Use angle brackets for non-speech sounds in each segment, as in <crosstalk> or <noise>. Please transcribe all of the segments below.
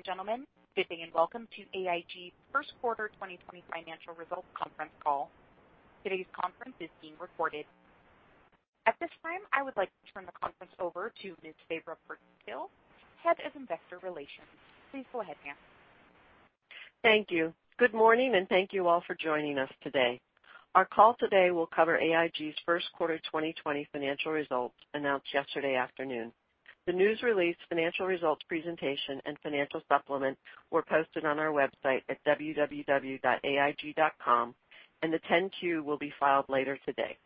Ladies and gentlemen, good day and Welcome to AIG First Quarter 2020 Financial Results Conference Call. Today's conference is being recorded. At this time, I would like to turn the conference over to Ms. Isabelle Santenello, Head of Investor Relations. Please go ahead, ma'am. Thank you. Good morning, and thank you all for joining us today. Our call today will cover AIG's first quarter 2020 financial results announced yesterday afternoon. The news release financial results presentation and financial supplement were posted on our website at www.aig.com, and the 10-Q will be filed later today.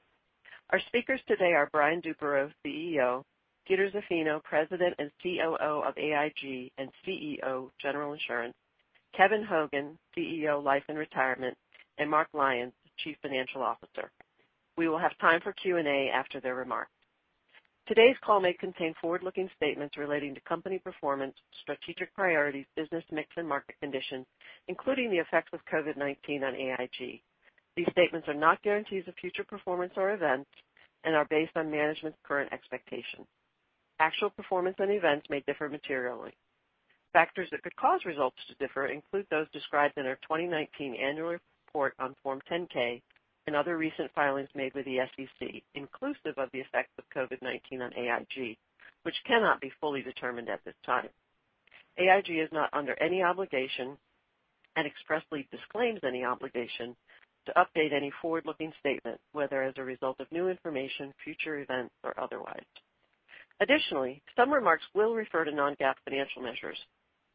Our speakers today are Brian Duperreault, CEO, Peter Zaffino, President and COO of AIG and CEO General Insurance, Kevin Hogan, CEO, Life & Retirement, and Mark Lyons, Chief Financial Officer. We will have time for Q&A after their remarks. Today's call may contain forward-looking statements relating to company performance, strategic priorities, business mix, and market conditions, including the effects of COVID-19 on AIG. These statements are not guarantees of future performance or events and are based on management's current expectations. Actual performance and events may differ materially. Factors that could cause results to differ include those described in our 2019 annual report on Form 10-K and other recent filings made with the SEC, inclusive of the effects of COVID-19 on AIG, which cannot be fully determined at this time. AIG is not under any obligation, and expressly disclaims any obligation, to update any forward-looking statements, whether as a result of new information, future events, or otherwise. Additionally, some remarks will refer to non-GAAP financial measures.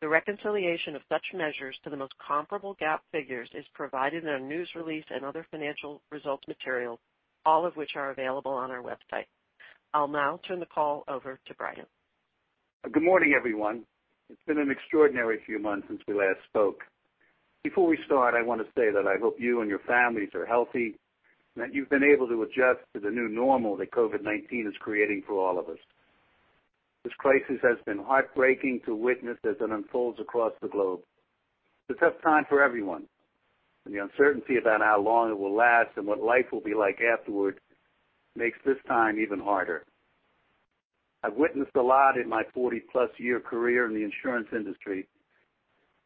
The reconciliation of such measures to the most comparable GAAP figures is provided in our news release and other financial results material, all of which are available on our website. I'll now turn the call over to Brian. Good morning, everyone. It's been an extraordinary few months since we last spoke. Before we start, I want to say that I hope you and your families are healthy and that you've been able to adjust to the new normal that COVID-19 is creating for all of us. This crisis has been heartbreaking to witness as it unfolds across the globe. It's a tough time for everyone, and the uncertainty about how long it will last and what life will be like afterward makes this time even harder. I've witnessed a lot in my 40-plus year career in the insurance industry,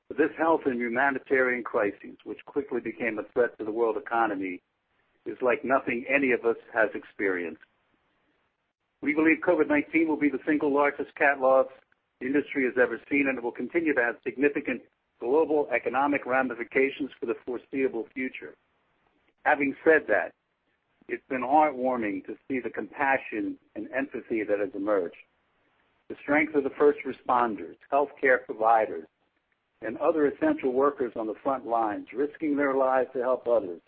but this health and humanitarian crisis, which quickly became a threat to the world economy, is like nothing any of us has experienced. We believe COVID-19 will be the single largest net cat loss the industry has ever seen, and it will continue to have significant global economic ramifications for the foreseeable future. Having said that, it's been heartwarming to see the compassion and empathy that has emerged. The strength of the first responders, healthcare providers, and other essential workers on the frontlines risking their lives to help others,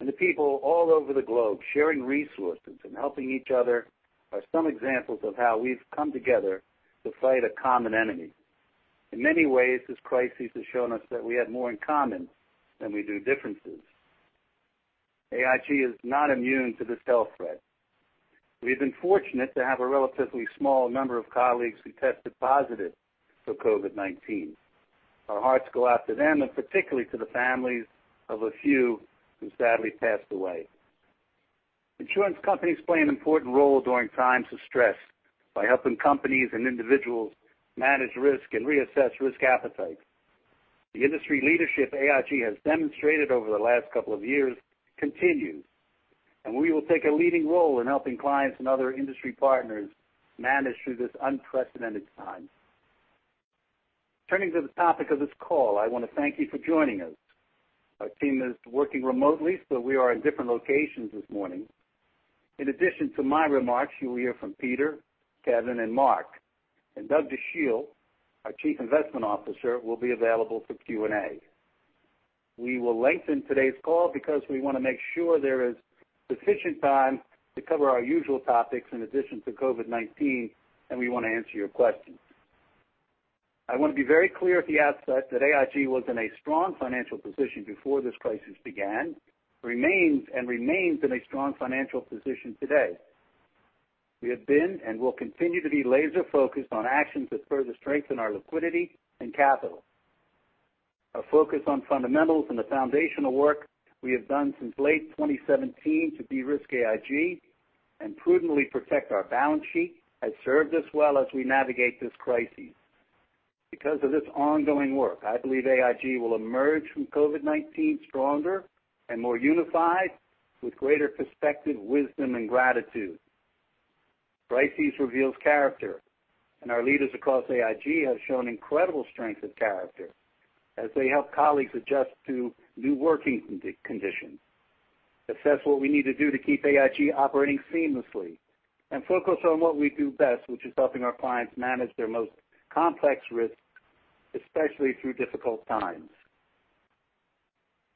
and the people all over the globe sharing resources and helping each other are some examples of how we've come together to fight a common enemy. In many ways, this crisis has shown us that we have more in common than we do differences. AIG is not immune to this health threat. We've been fortunate to have a relatively small number of colleagues who tested positive for COVID-19. Our hearts go out to them and particularly to the families of a few who sadly passed away. Insurance companies play an important role during times of stress by helping companies and individuals manage risk and reassess risk appetite. The industry leadership AIG has demonstrated over the last couple of years continues, and we will take a leading role in helping clients and other industry partners manage through this unprecedented time. Turning to the topic of this call, I want to thank you for joining us. Our team is working remotely, so we are in different locations this morning. In addition to my remarks, you will hear from Peter, Kevin, and Mark, and Douglas Dachille, our Chief Investment Officer, will be available for Q&A. We will lengthen today's call because we want to make sure there is sufficient time to cover our usual topics in addition to COVID-19, and we want to answer your questions. I want to be very clear at the outset that AIG was in a strong financial position before this crisis began, and remains in a strong financial position today. We have been and will continue to be laser-focused on actions that further strengthen our liquidity and capital. Our focus on fundamentals and the foundational work we have done since late 2017 to de-risk AIG and prudently protect our balance sheet has served us well as we navigate this crisis. Because of this ongoing work, I believe AIG will emerge from COVID-19 stronger and more unified, with greater perspective, wisdom, and gratitude. Crisis reveals character, and our leaders across AIG have shown incredible strength of character as they help colleagues adjust to new working conditions, assess what we need to do to keep AIG operating seamlessly, and focus on what we do best, which is helping our clients manage their most complex risks, especially through difficult times.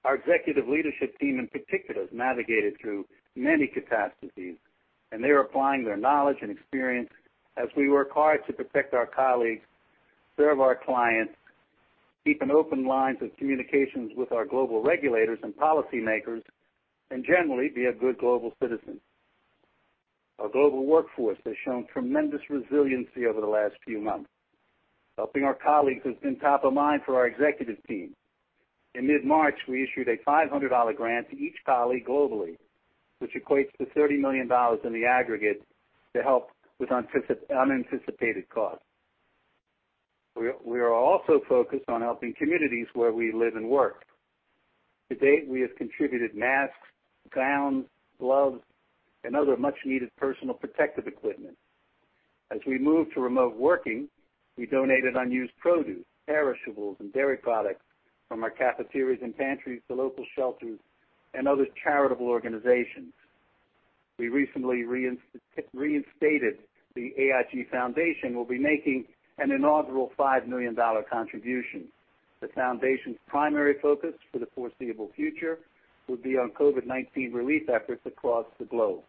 Our executive leadership team in particular has navigated through many catastrophes, and they're applying their knowledge and experience as we work hard to protect our colleagues, serve our clients, keep an open line of communications with our global regulators and policymakers, and generally be a good global citizen. Our global workforce has shown tremendous resiliency over the last few months. Helping our colleagues has been top of mind for our executive team. In mid-March, we issued a $500 grant to each colleague globally, which equates to $30 million in the aggregate to help with unanticipated costs. We are also focused on helping communities where we live and work. To date, we have contributed masks, gowns, gloves, and other much-needed personal protective equipment. As we moved to remote working, we donated unused produce, perishables, and dairy products from our cafeterias and pantries to local shelters and other charitable organizations. We recently reinstated the AIG Foundation. We'll be making an inaugural $5 million contribution. The foundation's primary focus for the foreseeable future will be on COVID-19 relief efforts across the globe.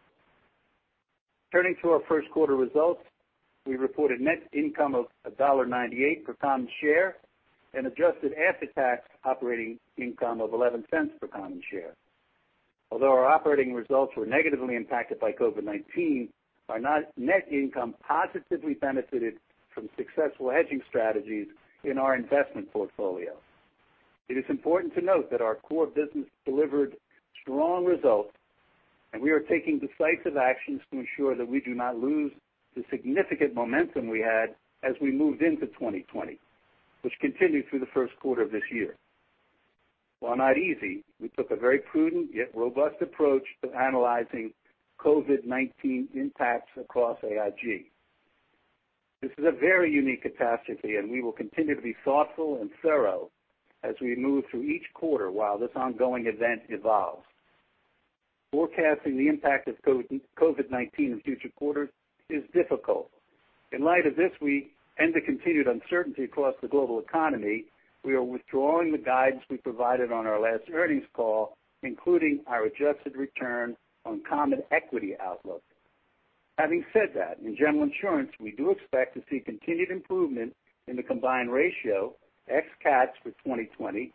Turning to our first quarter results, we reported net income of $1.98 per common share and adjusted after-tax operating income of $0.11 per common share. Although our operating results were negatively impacted by COVID-19, our net income positively benefited from successful hedging strategies in our investment portfolio. It is important to note that our core business delivered strong results, and we are taking decisive actions to ensure that we do not lose the significant momentum we had as we moved into 2020, which continued through the first quarter of this year. While not easy, we took a very prudent yet robust approach to analyzing COVID-19 impacts across AIG. This is a very unique catastrophe, and we will continue to be thoughtful and thorough as we move through each quarter while this ongoing event evolves. Forecasting the impact of COVID-19 in future quarters is difficult. In light of this, we end the continued uncertainty across the global economy. We are withdrawing the guidance we provided on our last earnings call, including our adjusted return on common equity outlook. Having said that, in General Insurance, we do expect to see continued improvement in the combined ratio, ex cats for 2020,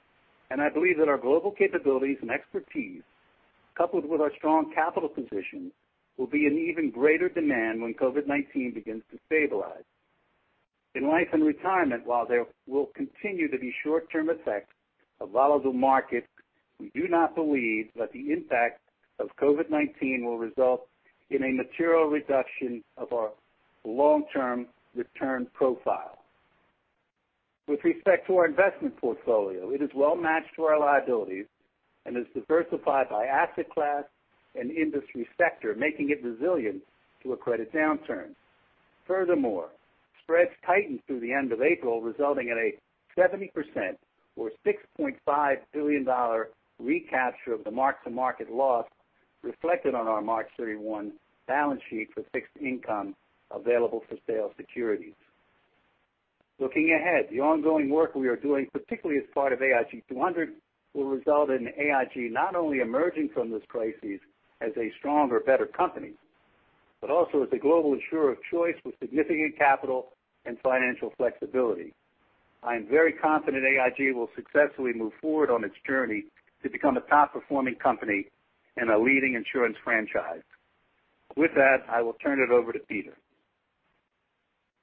and I believe that our global capabilities and expertise, coupled with our strong capital position, will be in even greater demand when COVID-19 begins to stabilize. In Life & Retirement, while there will continue to be short-term effects of volatile markets, we do not believe that the impact of COVID-19 will result in a material reduction of our long-term return profile. With respect to our investment portfolio, it is well-matched to our liabilities and is diversified by asset class and industry sector, making it resilient to a credit downturn. Furthermore, spreads tightened through the end of April, resulting in a 70% or $6.5 billion recapture of the mark-to-market loss reflected on our March 31 balance sheet for fixed income available for sale securities. Looking ahead, the ongoing work we are doing, particularly as part of AIG 200, will result in AIG not only emerging from this crisis as a stronger, better company, but also as a global insurer of choice with significant capital and financial flexibility. I am very confident AIG will successfully move forward on its journey to become a top-performing company and a leading insurance franchise. With that, I will turn it over to Peter.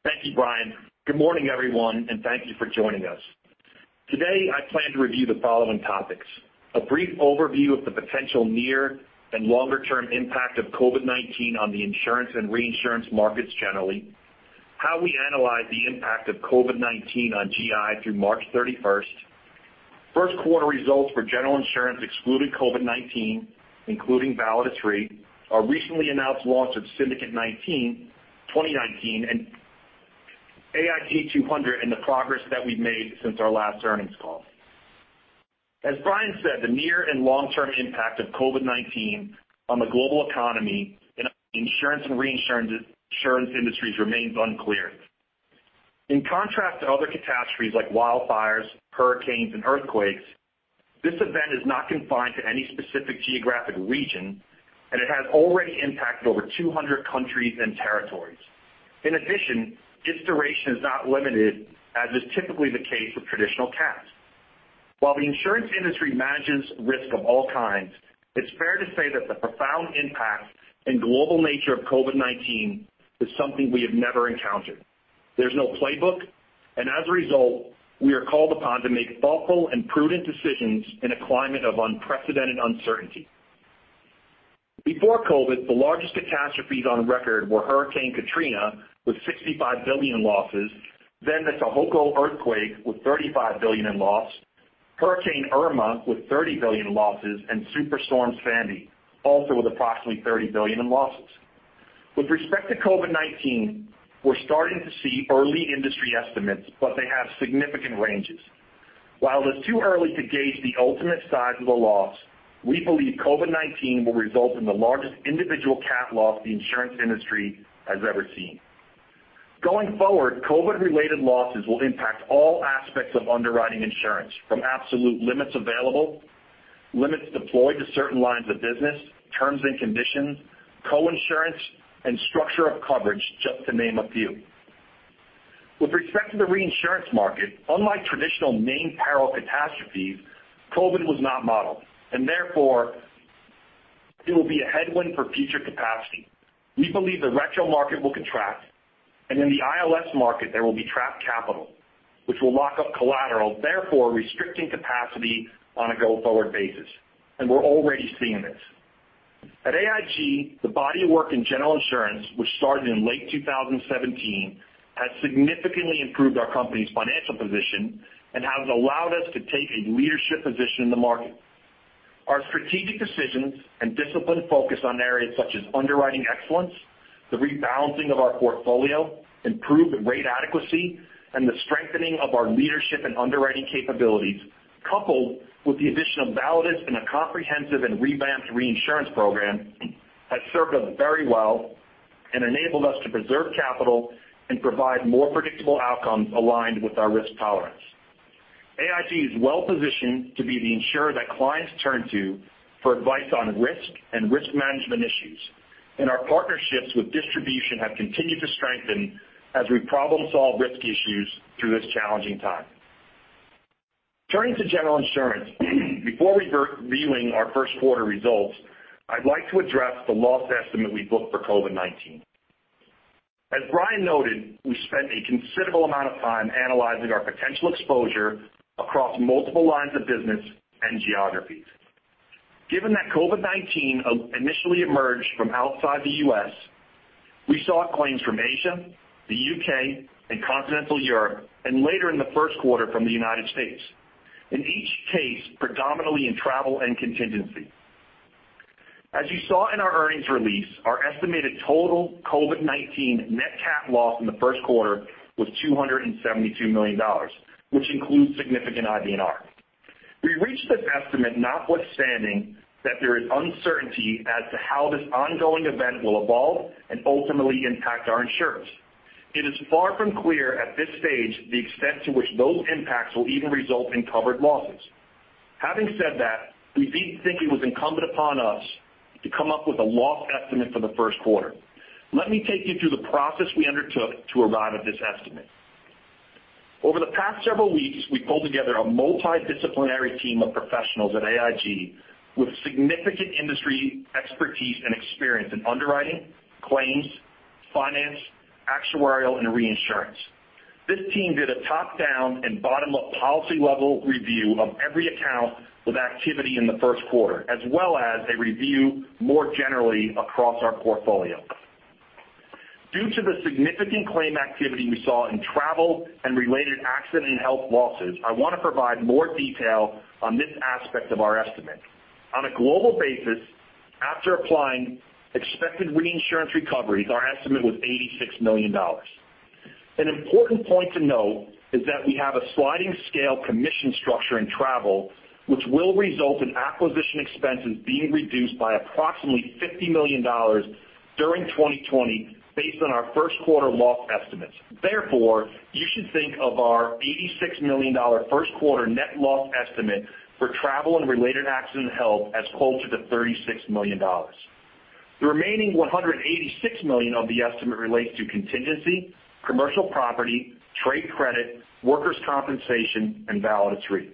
Thank you, Brian. Good morning, everyone, and thank you for joining us. Today, I plan to review the following topics: A brief overview of the potential near and longer-term impact of COVID-19 on the insurance and reinsurance markets generally, how we analyze the impact of COVID-19 on GI through March 31st. First quarter results for General Insurance excluding COVID-19, including Validus Re, our recently announced launch of Syndicate 2019, and AIG 200, and the progress that we've made since our last earnings call. As Brian said, the near and long-term impact of COVID-19 on the global economy and insurance and reinsurance industries remains unclear. In contrast to other catastrophes like wildfires, hurricanes, and earthquakes, this event is not confined to any specific geographic region, and it has already impacted over 200 countries and territories. In addition, its duration is not limited, as is typically the case with traditional cats. While the insurance industry manages risk of all kinds, it's fair to say that the profound impact and global nature of COVID-19 is something we have never encountered. There's no playbook. As a result, we are called upon to make thoughtful and prudent decisions in a climate of unprecedented uncertainty. Before COVID, the largest catastrophes on record were Hurricane Katrina with $65 billion losses. The Tohoku earthquake with $35 billion in loss, Hurricane Irma with $30 billion in losses, and Superstorm Sandy, also with approximately $30 billion in losses. With respect to COVID-19, we're starting to see early industry estimates. They have significant ranges. While it's too early to gauge the ultimate size of the loss, we believe COVID-19 will result in the largest individual cat loss the insurance industry has ever seen. Going forward, COVID-related losses will impact all aspects of underwriting insurance, from absolute limits available, limits deployed to certain lines of business, terms and conditions, co-insurance, and structure of coverage, just to name a few. With respect to the reinsurance market, unlike traditional named peril catastrophes, COVID was not modeled. It will be a headwind for future capacity. We believe the retro market will contract, and in the ILS market, there will be trapped capital, which will lock up collateral, therefore restricting capacity on a go-forward basis. We're already seeing this. At AIG, the body of work in General Insurance, which started in late 2017, has significantly improved our company's financial position and has allowed us to take a leadership position in the market. Our strategic decisions and disciplined focus on areas such as underwriting excellence, the rebalancing of our portfolio, improved rate adequacy, and the strengthening of our leadership and underwriting capabilities, coupled with the addition of Validus and a comprehensive and revamped reinsurance program, has served us very well and enabled us to preserve capital and provide more predictable outcomes aligned with our risk tolerance. AIG is well-positioned to be the insurer that clients turn to for advice on risk and risk management issues. Our partnerships with distribution have continued to strengthen as we problem-solve risk issues through this challenging time. Turning to General Insurance, before reviewing our first quarter results, I'd like to address the loss estimate we booked for COVID-19. As Brian noted, we spent a considerable amount of time analyzing our potential exposure across multiple lines of business and geographies. Given that COVID-19 initially emerged from outside the U.S., we saw claims from Asia, the U.K., and continental Europe, and later in the first quarter from the United States. In each case, predominantly in travel and contingency. As you saw in our earnings release, our estimated total COVID-19 net cat loss in the first quarter was $272 million, which includes significant IBNR. We reached this estimate notwithstanding that there is uncertainty as to how this ongoing event will evolve and ultimately impact our insurance. It is far from clear at this stage the extent to which those impacts will even result in covered losses. Having said that, we did think it was incumbent upon us to come up with a loss estimate for the first quarter. Let me take you through the process we undertook to arrive at this estimate. Over the past several weeks, we pulled together a multidisciplinary team of professionals at AIG with significant industry expertise and experience in underwriting, claims, finance, actuarial, and reinsurance. This team did a top-down and bottom-up policy-level review of every account with activity in the first quarter, as well as a review more generally across our portfolio. Due to the significant claim activity we saw in travel and related accident and health losses, I want to provide more detail on this aspect of our estimate. On a global basis, after applying expected reinsurance recoveries, our estimate was $86 million. An important point to note is that we have a sliding scale commission structure in travel, which will result in acquisition expenses being reduced by approximately $50 million during 2020, based on our first quarter loss estimates. You should think of our $86 million first quarter net loss estimate for travel and related accident health as closer to $36 million. The remaining $186 million of the estimate relates to contingency, commercial property, trade credit, workers' compensation, and Validus Re.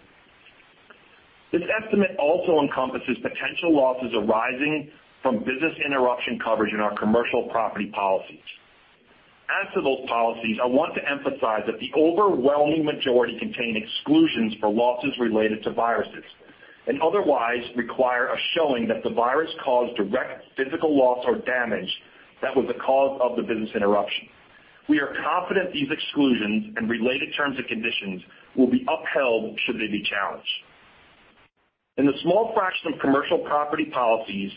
This estimate also encompasses potential losses arising from business interruption coverage in our commercial property policies. As to those policies, I want to emphasize that the overwhelming majority contain exclusions for losses related to viruses and otherwise require a showing that the virus caused direct physical loss or damage that was the cause of the business interruption. We are confident these exclusions and related terms and conditions will be upheld should they be challenged. In the small fraction of commercial property policies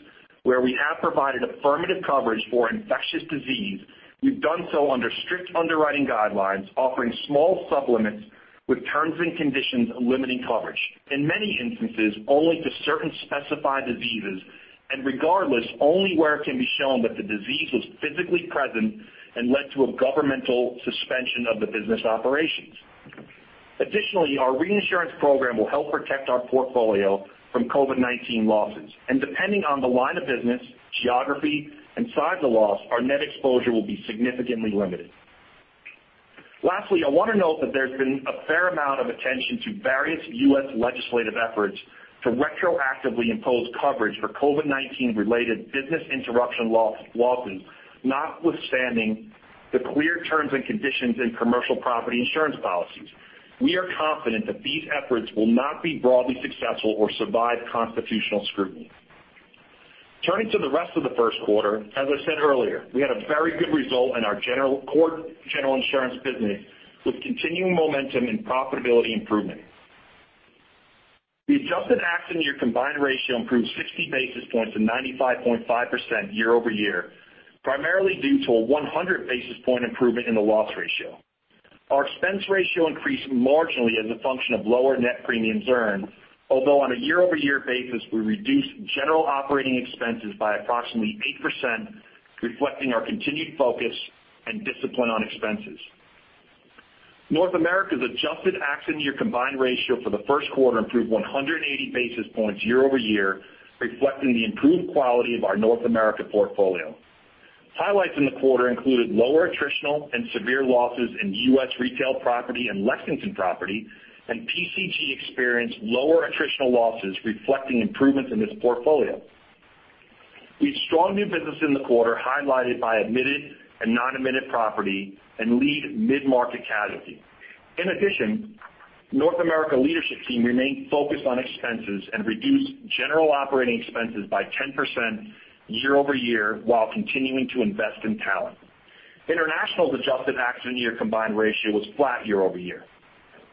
where we have provided affirmative coverage for infectious disease, we've done so under strict underwriting guidelines, offering small sub-limits with terms and conditions limiting coverage. In many instances, only to certain specified diseases, and regardless, only where it can be shown that the disease was physically present and led to a governmental suspension of the business operations. Additionally, our reinsurance program will help protect our portfolio from COVID-19 losses, and depending on the line of business, geography, and size of the loss, our net exposure will be significantly limited. Lastly, I want to note that there's been a fair amount of attention to various U.S. legislative efforts to retroactively impose coverage for COVID-19 related business interruption losses, notwithstanding the clear terms and conditions in commercial property insurance policies. We are confident that these efforts will not be broadly successful or survive constitutional scrutiny. Turning to the rest of the first quarter, as I said earlier, we had a very good result in our core General Insurance business, with continuing momentum and profitability improvement. The adjusted accident year combined ratio improved 60 basis points to 95.5% year-over-year, primarily due to a 100 basis point improvement in the loss ratio. Our expense ratio increased marginally as a function of lower net premiums earned, although on a year-over-year basis, we reduced general operating expenses by approximately 8%, reflecting our continued focus and discipline on expenses. North America's adjusted accident year combined ratio for the first quarter improved 180 basis points year-over-year, reflecting the improved quality of our North America portfolio. Highlights in the quarter included lower attritional and severe losses in U.S. retail property and Lexington property, and PCG experienced lower attritional losses reflecting improvements in this portfolio. We had strong new business in the quarter highlighted by admitted and non-admitted property and lead mid-market casualty. In addition, North America leadership team remained focused on expenses and reduced general operating expenses by 10% year-over-year while continuing to invest in talent. International's adjusted accident year combined ratio was flat year-over-year.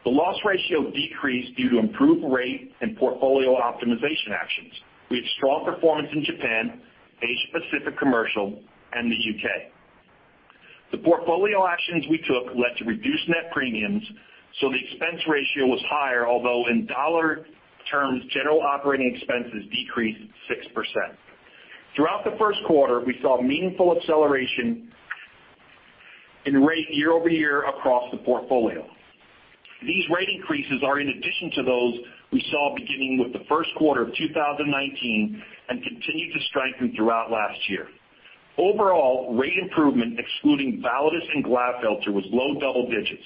The loss ratio decreased due to improved rate and portfolio optimization actions. We had strong performance in Japan, Asia-Pacific Commercial, and the U.K. The portfolio actions we took led to reduced net premiums, the expense ratio was higher, although in $ terms, general operating expenses decreased 6%. Throughout the first quarter, we saw meaningful acceleration in rate year-over-year across the portfolio. These rate increases are in addition to those we saw beginning with the first quarter of 2019 and continued to strengthen throughout last year. Overall, rate improvement excluding Validus and Glatfelter was low double-digits,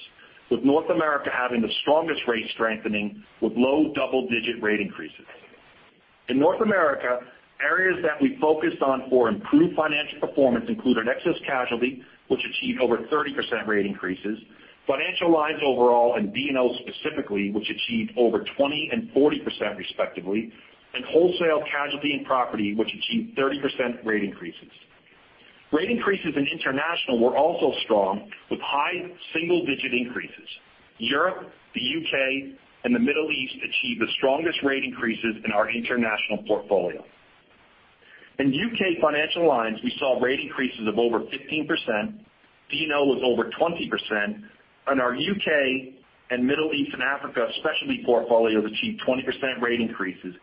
with North America having the strongest rate strengthening with low double-digit rate increases. In North America, areas that we focused on for improved financial performance include our excess casualty, which achieved over 30% rate increases, financial lines overall and D&O specifically, which achieved over 20% and 40% respectively, and wholesale casualty and property, which achieved 30% rate increases. Rate increases in international were also strong, with high single-digit increases. Europe, the U.K., and the Middle East achieved the strongest rate increases in our international portfolio. In U.K. financial lines, we saw rate increases of over 15%, D&O was over 20%, and our U.K. and Middle East and Africa specialty portfolios achieved 20% rate increases.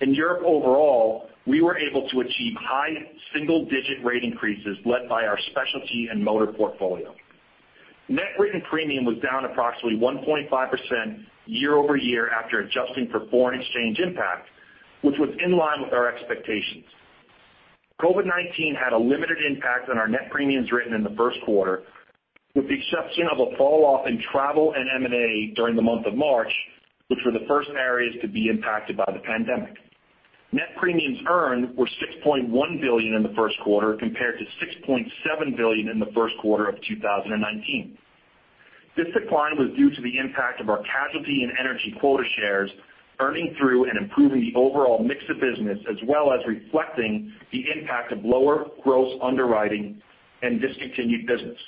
In Europe overall, we were able to achieve high single-digit rate increases led by our specialty and motor portfolio. Net written premium was down approximately 1.5% year-over-year after adjusting for foreign exchange impact, which was in line with our expectations. COVID-19 had a limited impact on our net premiums written in the first quarter, with the exception of a fall-off in travel and M&A during the month of March, which were the first areas to be impacted by the pandemic. Net premiums earned were $6.1 billion in the first quarter, compared to $6.7 billion in the first quarter of 2019. This decline was due to the impact of our casualty and energy quota shares earning through and improving the overall mix of business, as well as reflecting the impact of lower gross underwriting and discontinued business.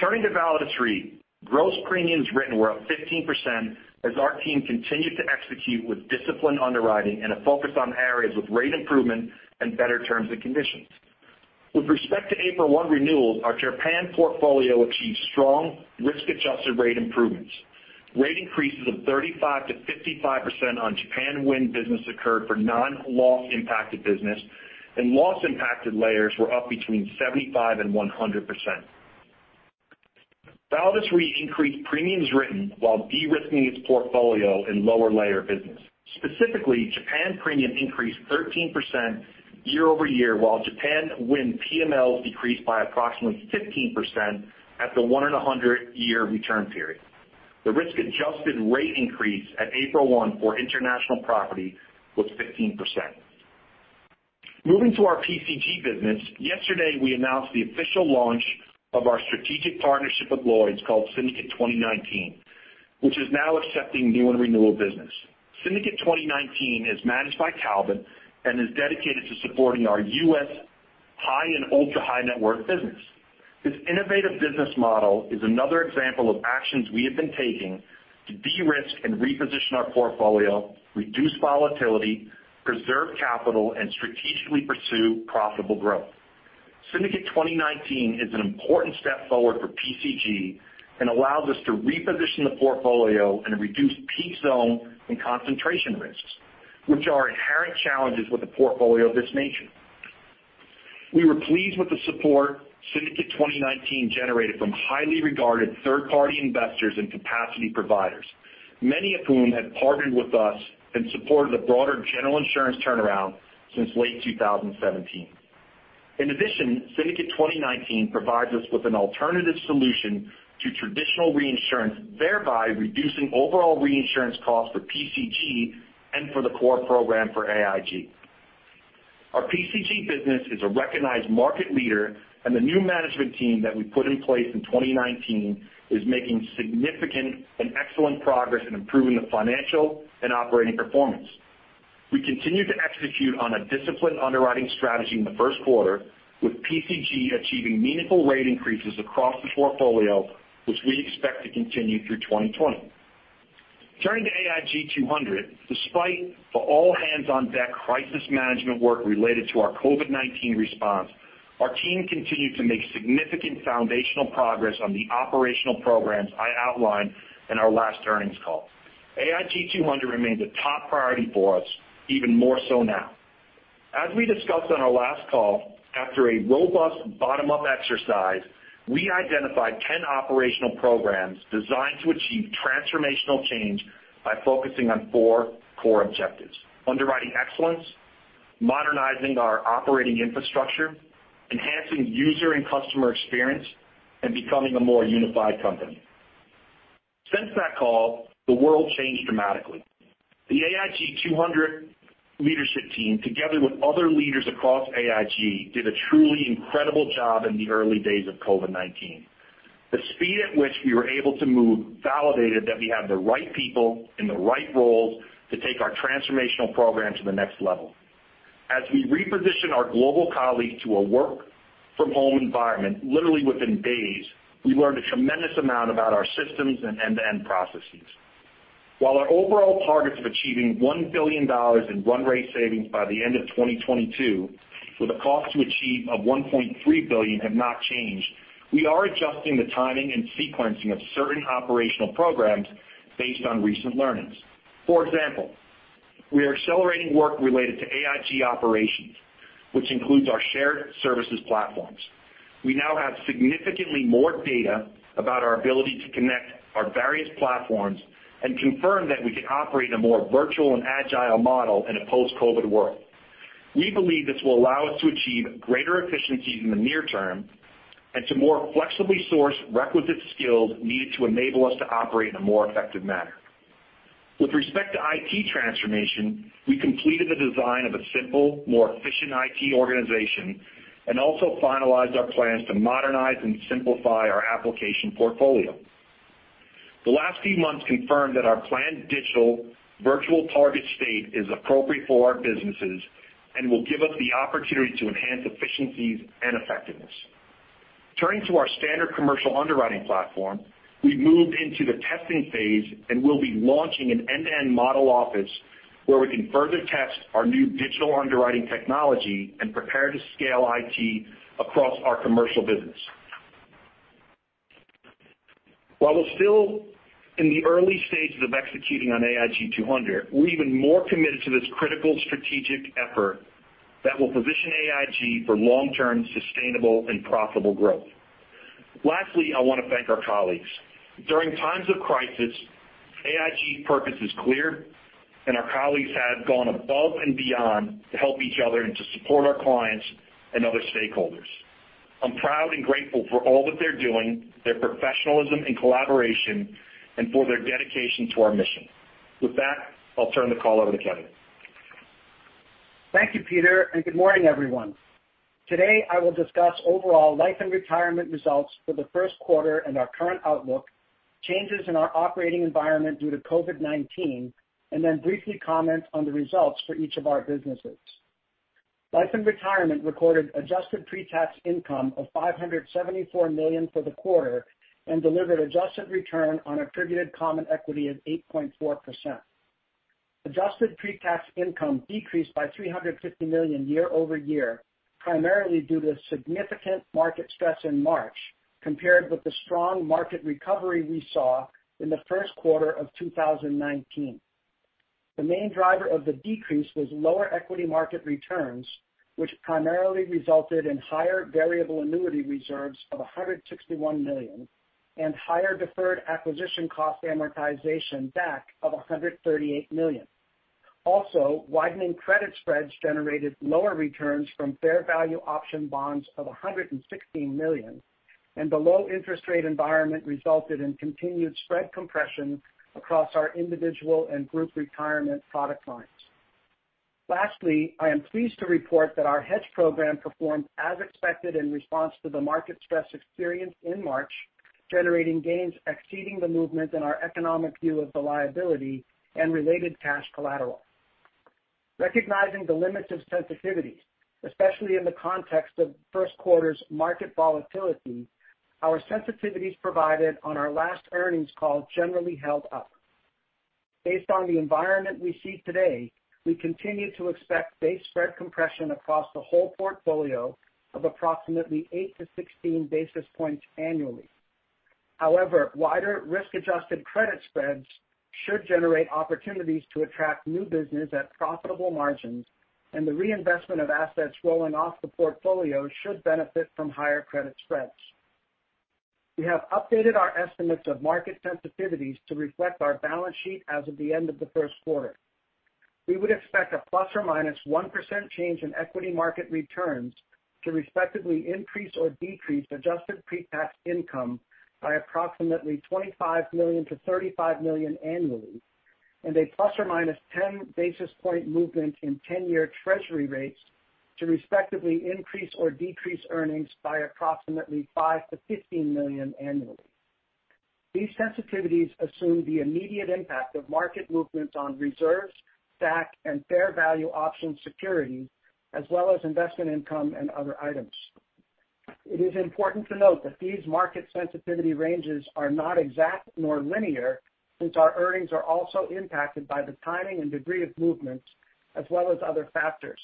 Turning to Validus Re, gross premiums written were up 15% as our team continued to execute with disciplined underwriting and a focus on areas with rate improvement and better terms and conditions. With respect to April 1 renewals, our Japan portfolio achieved strong risk-adjusted rate improvements. Rate increases of 35%-55% on Japan wind business occurred for non-loss impacted business, and loss impacted layers were up between 75% and 100%. Validus Re increased premiums written while de-risking its portfolio in lower layer business. Specifically, Japan premium increased 13% year-over-year, while Japan wind PMLs decreased by approximately 15% at the one in 100 year return period. The risk-adjusted rate increase at April 1 for international property was 15%. Moving to our PCG business, yesterday we announced the official launch of our strategic partnership with Lloyd's called Syndicate 2019, which is now accepting new and renewal business. Syndicate 2019 is managed by Talbot Underwriting and is dedicated to supporting our U.S. high and ultra-high net worth business. This innovative business model is another example of actions we have been taking to de-risk and reposition our portfolio, reduce volatility, preserve capital, and strategically pursue profitable growth. Syndicate 2019 is an important step forward for PCG and allows us to reposition the portfolio and reduce peak zone and concentration risks, which are inherent challenges with a portfolio of this nature. We were pleased with the support Syndicate 2019 generated from highly regarded third-party investors and capacity providers, many of whom have partnered with us and supported the broader General Insurance turnaround since late 2017. In addition, Syndicate 2019 provides us with an alternative solution to traditional reinsurance, thereby reducing overall reinsurance costs for PCG and for the core program for AIG. Our PCG business is a recognized market leader and the new management team that we put in place in 2019 is making significant and excellent progress in improving the financial and operating performance. We continue to execute on a disciplined underwriting strategy in the first quarter, with PCG achieving meaningful rate increases across the portfolio, which we expect to continue through 2020. Turning to AIG 200, despite the all-hands-on-deck crisis management work related to our COVID-19 response, our team continued to make significant foundational progress on the operational programs I outlined in our last earnings call. AIG 200 remains a top priority for us, even more so now. As we discussed on our last call, after a robust bottom-up exercise, we identified 10 operational programs designed to achieve transformational change by focusing on four core objectives. Underwriting excellence, modernizing our operating infrastructure, enhancing user and customer experience, and becoming a more unified company. Since that call, the world changed dramatically. The AIG 200 leadership team, together with other leaders across AIG, did a truly incredible job in the early days of COVID-19. The speed at which we were able to move validated that we have the right people in the right roles to take our transformational program to the next level. As we reposition our global colleagues to a work-from-home environment, literally within days, we learned a tremendous amount about our systems and end-to-end processes. While our overall targets of achieving $1 billion in run rate savings by the end of 2022, with a cost to achieve of $1.3 billion have not changed, we are adjusting the timing and sequencing of certain operational programs based on recent learnings. For example, we are accelerating work related to AIG operations, which includes our shared services platforms. We now have significantly more data about our ability to connect our various platforms and confirm that we can operate in a more virtual and agile model in a post-COVID world. We believe this will allow us to achieve greater efficiencies in the near term, and to more flexibly source requisite skills needed to enable us to operate in a more effective manner. With respect to IT transformation, we completed the design of a simple, more efficient IT organization and also finalized our plans to modernize and simplify our application portfolio. The last few months confirmed that our planned digital virtual target state is appropriate for our businesses and will give us the opportunity to enhance efficiencies and effectiveness. Turning to our standard commercial underwriting platform, we've moved into the testing phase, and we'll be launching an end-to-end model office where we can further test our new digital underwriting technology and prepare to scale IT across our commercial business. While we're still in the early stages of executing on AIG 200, we're even more committed to this critical strategic effort that will position AIG for long-term sustainable and profitable growth. Lastly, I want to thank our colleagues. During times of crisis, AIG purpose is clear, and our colleagues have gone above and beyond to help each other and to support our clients and other stakeholders. I'm proud and grateful for all that they're doing, their professionalism and collaboration, and for their dedication to our mission. With that, I'll turn the call over to Kevin. Thank you, Peter. Good morning, everyone. Today, I will discuss overall Life & Retirement results for the first quarter and our current outlook, changes in our operating environment due to COVID-19, and then briefly comment on the results for each of our businesses. Life & Retirement recorded Adjusted Pre-Tax Income of $574 million for the quarter and delivered adjusted return on attributed common equity of 8.4%. Adjusted Pre-Tax Income decreased by $350 million year-over-year, primarily due to significant market stress in March compared with the strong market recovery we saw in the first quarter of 2019. The main driver of the decrease was lower equity market returns, which primarily resulted in higher variable annuity reserves of $161 million and higher deferred acquisition cost amortization, DAC, of $138 million. Widening credit spreads generated lower returns from fair value option bonds of $116 million, and the low interest rate environment resulted in continued spread compression across our individual and group retirement product lines. I am pleased to report that our hedge program performed as expected in response to the market stress experienced in March, generating gains exceeding the movement in our economic view of the liability and related cash collateral. Recognizing the limits of sensitivities, especially in the context of first quarter's market volatility, our sensitivities provided on our last earnings call generally held up. Based on the environment we see today, we continue to expect base spread compression across the whole portfolio of approximately 8–16 basis points annually. However, wider risk-adjusted credit spreads should generate opportunities to attract new business at profitable margins, and the reinvestment of assets rolling off the portfolio should benefit from higher credit spreads. We have updated our estimates of market sensitivities to reflect our balance sheet as of the end of the first quarter. We would expect a ±1% change in equity market returns to respectively increase or decrease Adjusted Pre-Tax Income by approximately $25 million-$35 million annually, and a ±10 basis point movement in 10-year Treasury rates to respectively increase or decrease earnings by approximately $5 million-$15 million annually. These sensitivities assume the immediate impact of market movements on reserves, DAC, and fair value option security, as well as investment income and other items. It is important to note that these market sensitivity ranges are not exact nor linear, since our earnings are also impacted by the timing and degree of movements as well as other factors.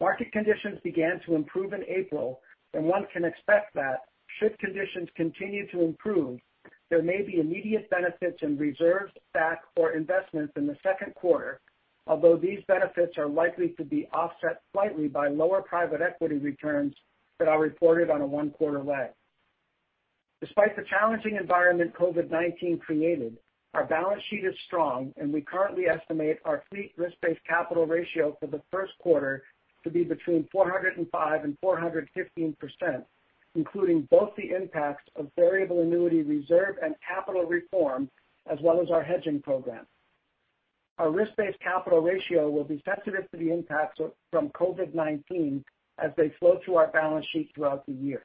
Market conditions began to improve in April, and one can expect that should conditions continue to improve, there may be immediate benefits in reserves, DAC, or investments in the second quarter, although these benefits are likely to be offset slightly by lower private equity returns that are reported on a one-quarter lag. Despite the challenging environment COVID-19 created, our balance sheet is strong, and we currently estimate our fleet risk-based capital ratio for the first quarter to be between 405% and 415%, including both the impacts of variable annuity reserve and capital reform, as well as our hedging program. Our risk-based capital ratio will be sensitive to the impacts from COVID-19 as they flow through our balance sheet throughout the year.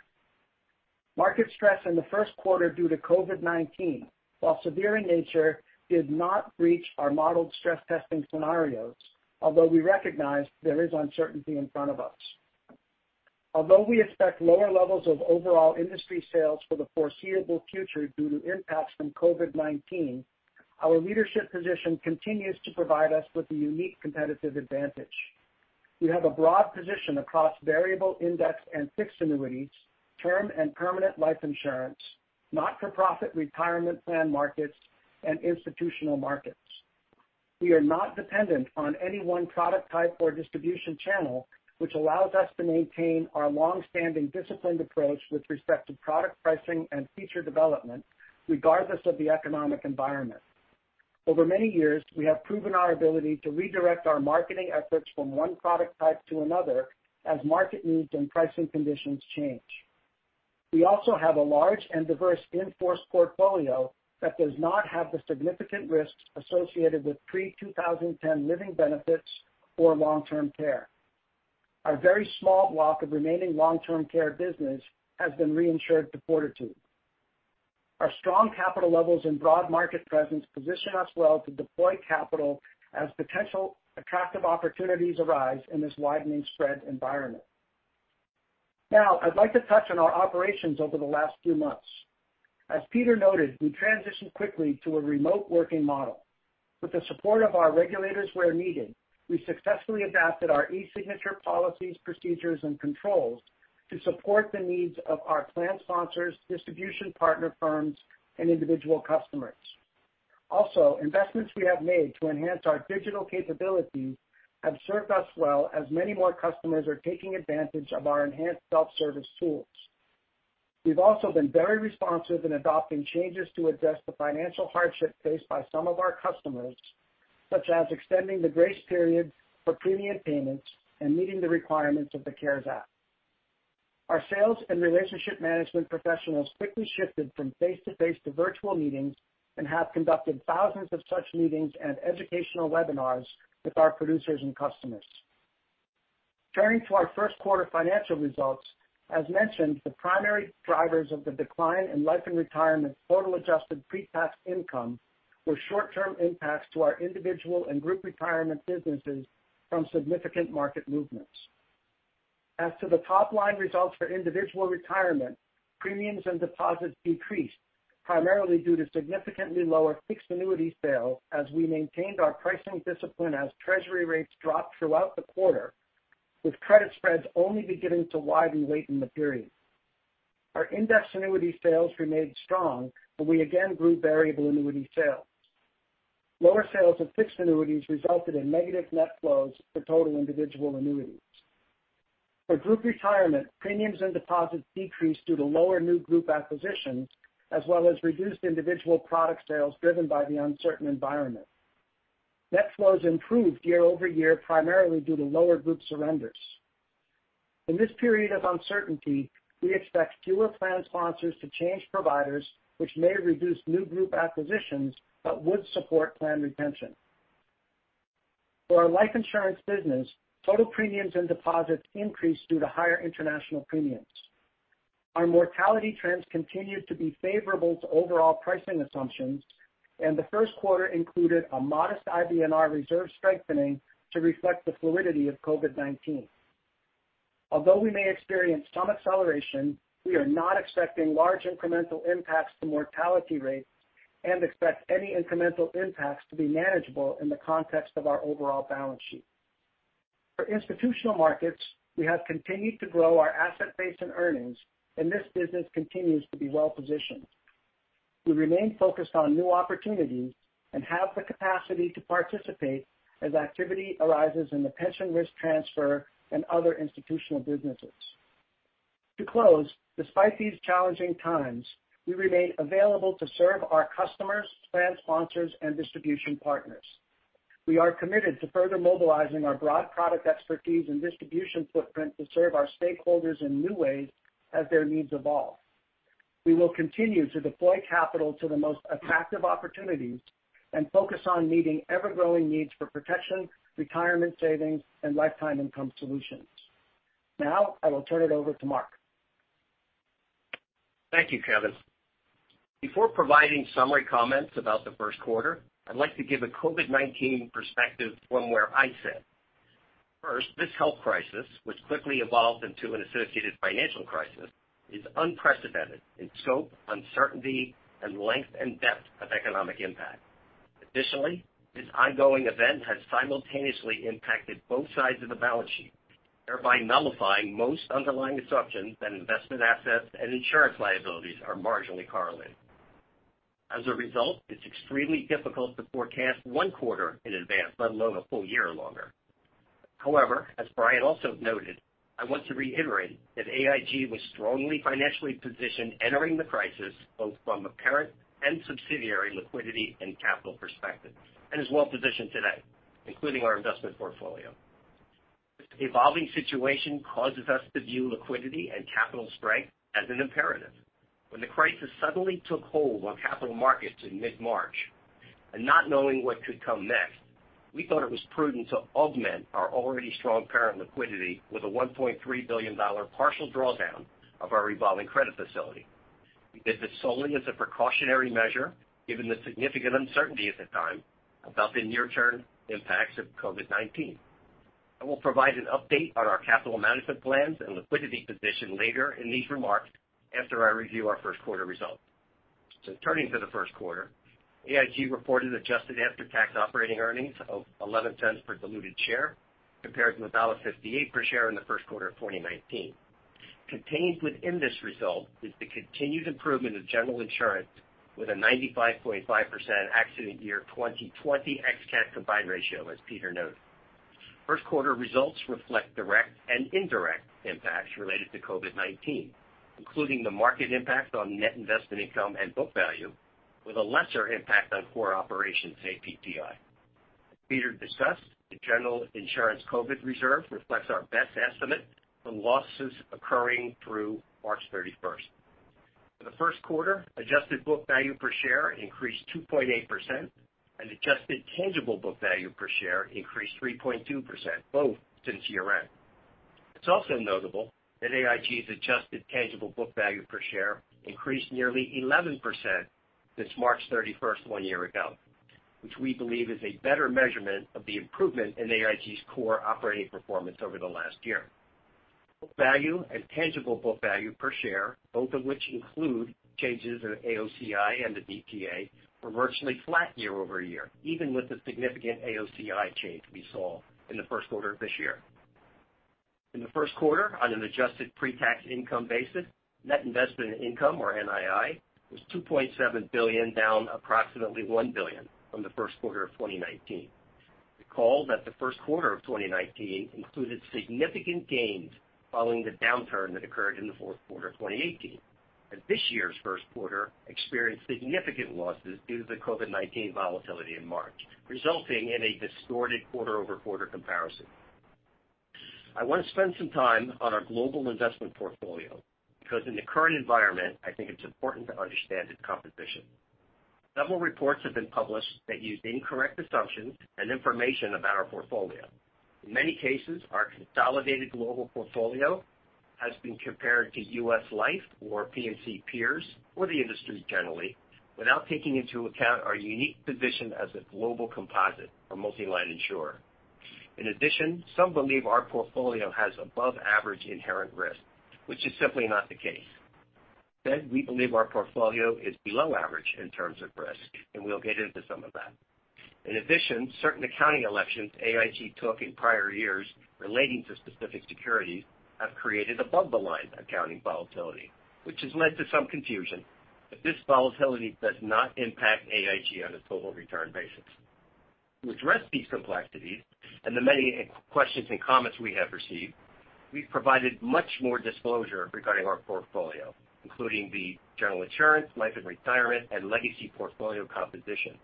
Market stress in the first quarter due to COVID-19, while severe in nature, did not breach our modeled stress testing scenarios, although we recognize there is uncertainty in front of us. Although we expect lower levels of overall industry sales for the foreseeable future due to impacts from COVID-19, our leadership position continues to provide us with a unique competitive advantage. We have a broad position across variable index and fixed annuities, term and permanent life insurance, not-for-profit retirement plan markets, and Institutional Markets. We are not dependent on any one product type or distribution channel, which allows us to maintain our long-standing disciplined approach with respect to product pricing and feature development regardless of the economic environment. Over many years, we have proven our ability to redirect our marketing efforts from one product type to another as market needs and pricing conditions change. We also have a large and diverse in-force portfolio that does not have the significant risks associated with pre-2010 living benefits or long-term care. Our very small block of remaining long-term care business has been reinsured to Fortitude Re. Our strong capital levels and broad market presence position us well to deploy capital as potential attractive opportunities arise in this widening spread environment. I'd like to touch on our operations over the last few months. As Peter Zaffino noted, we transitioned quickly to a remote working model. With the support of our regulators where needed, we successfully adapted our e-signature policies, procedures, and controls to support the needs of our plan sponsors, distribution partner firms, and individual customers. Also, investments we have made to enhance our digital capabilities have served us well as many more customers are taking advantage of our enhanced self-service tools. We've also been very responsive in adopting changes to address the financial hardship faced by some of our customers, such as extending the grace period for premium payments and meeting the requirements of the CARES Act. Our sales and relationship management professionals quickly shifted from face-to-face to virtual meetings and have conducted thousands of such meetings and educational webinars with our producers and customers. Turning to our first quarter financial results, as mentioned, the primary drivers of the decline in Life & Retirement total Adjusted Pre-Tax Income were short-term impacts to our individual and group retirement businesses from significant market movements. As to the top-line results for Individual Retirement, premiums and deposits decreased, primarily due to significantly lower fixed annuity sales as we maintained our pricing discipline as Treasury rates dropped throughout the quarter, with credit spreads only beginning to widen late in the period. Our index annuity sales remained strong, but we again grew variable annuity sales. Lower sales of fixed annuities resulted in negative net flows for total individual annuities. For Group Retirement, premiums and deposits decreased due to lower new group acquisitions, as well as reduced individual product sales driven by the uncertain environment. Net flows improved year-over-year, primarily due to lower group surrenders. In this period of uncertainty, we expect fewer plan sponsors to change providers, which may reduce new group acquisitions but would support plan retention. For our Life Insurance business, total premiums and deposits increased due to higher international premiums. Our mortality trends continued to be favorable to overall pricing assumptions, and the first quarter included a modest IBNR reserve strengthening to reflect the fluidity of COVID-19. Although we may experience some acceleration, we are not expecting large incremental impacts to mortality rates and expect any incremental impacts to be manageable in the context of our overall balance sheet. For Institutional Markets, we have continued to grow our asset base and earnings, and this business continues to be well-positioned. We remain focused on new opportunities and have the capacity to participate as activity arises in the pension risk transfer and other institutional businesses. To close, despite these challenging times, we remain available to serve our customers, plan sponsors, and distribution partners. We are committed to further mobilizing our broad product expertise and distribution footprint to serve our stakeholders in new ways as their needs evolve. We will continue to deploy capital to the most attractive opportunities and focus on meeting ever-growing needs for protection, retirement savings, and lifetime income solutions. Now, I will turn it over to Mark. Thank you, Kevin. Before providing summary comments about the first quarter, I'd like to give a COVID-19 perspective from where I sit. First, this health crisis, which quickly evolved into an associated financial crisis, is unprecedented in scope, uncertainty, and length and depth of economic impact. Additionally, this ongoing event has simultaneously impacted both sides of the balance sheet, thereby nullifying most underlying assumptions that investment assets and insurance liabilities are marginally correlated. As a result, it's extremely difficult to forecast one quarter in advance, let alone a full year or longer. As Brian also noted, I want to reiterate that AIG was strongly financially positioned entering the crisis, both from a parent and subsidiary liquidity and capital perspective, and is well-positioned today, including our investment portfolio. This evolving situation causes us to view liquidity and capital strength as an imperative. When the crisis suddenly took hold on capital markets in mid-March, and not knowing what could come next, we thought it was prudent to augment our already strong parent liquidity with a $1.3 billion partial drawdown of our revolving credit facility. We did this solely as a precautionary measure, given the significant uncertainty at the time about the near-term impacts of COVID-19. I will provide an update on our capital management plans and liquidity position later in these remarks after I review our first quarter results. Turning to the first quarter, AIG reported adjusted after-tax operating earnings of $0.11 per diluted share compared to $1.58 per share in the first quarter of 2019. Contained within this result is the continued improvement of General Insurance with a 95.5% accident year 2020 ex-cat combined ratio, as Peter noted. First quarter results reflect direct and indirect impacts related to COVID-19, including the market impact on net investment income and book value with a lesser impact on core operations APTI. As Peter discussed, the General Insurance COVID reserve reflects our best estimate for losses occurring through March 31st. For the first quarter, adjusted book value per share increased 2.8%, and adjusted tangible book value per share increased 3.2%, both since year-end. It's also notable that AIG's adjusted tangible book value per share increased nearly 11% since March 31st one year ago, which we believe is a better measurement of the improvement in AIG's core operating performance over the last year. Book value and tangible book value per share, both of which include changes in AOCI and the DTA, were virtually flat year-over-year, even with the significant AOCI change we saw in the first quarter of this year. In the first quarter, on an Adjusted Pre-Tax Income basis, net investment income, or NII, was $2.7 billion, down approximately $1 billion from the first quarter of 2019. Recall that the first quarter of 2019 included significant gains following the downturn that occurred in the fourth quarter of 2018, and this year's first quarter experienced significant losses due to the COVID-19 volatility in March, resulting in a distorted quarter-over-quarter comparison. I want to spend some time on our global investment portfolio because in the current environment, I think it's important to understand its composition. Several reports have been published that use incorrect assumptions and information about our portfolio. In many cases, our consolidated global portfolio has been compared to U.S. Life or P&C peers, or the industry generally, without taking into account our unique position as a global composite or multi-line insurer. Some believe our portfolio has above average inherent risk, which is simply not the case. We believe our portfolio is below average in terms of risk, and we'll get into some of that. Certain accounting elections AIG took in prior years relating to specific securities have created above-the-line accounting volatility, which has led to some confusion. This volatility does not impact AIG on a total return basis. To address these complexities and the many questions and comments we have received, we've provided much more disclosure regarding our portfolio, including the General Insurance, Life & Retirement, and Legacy portfolio composition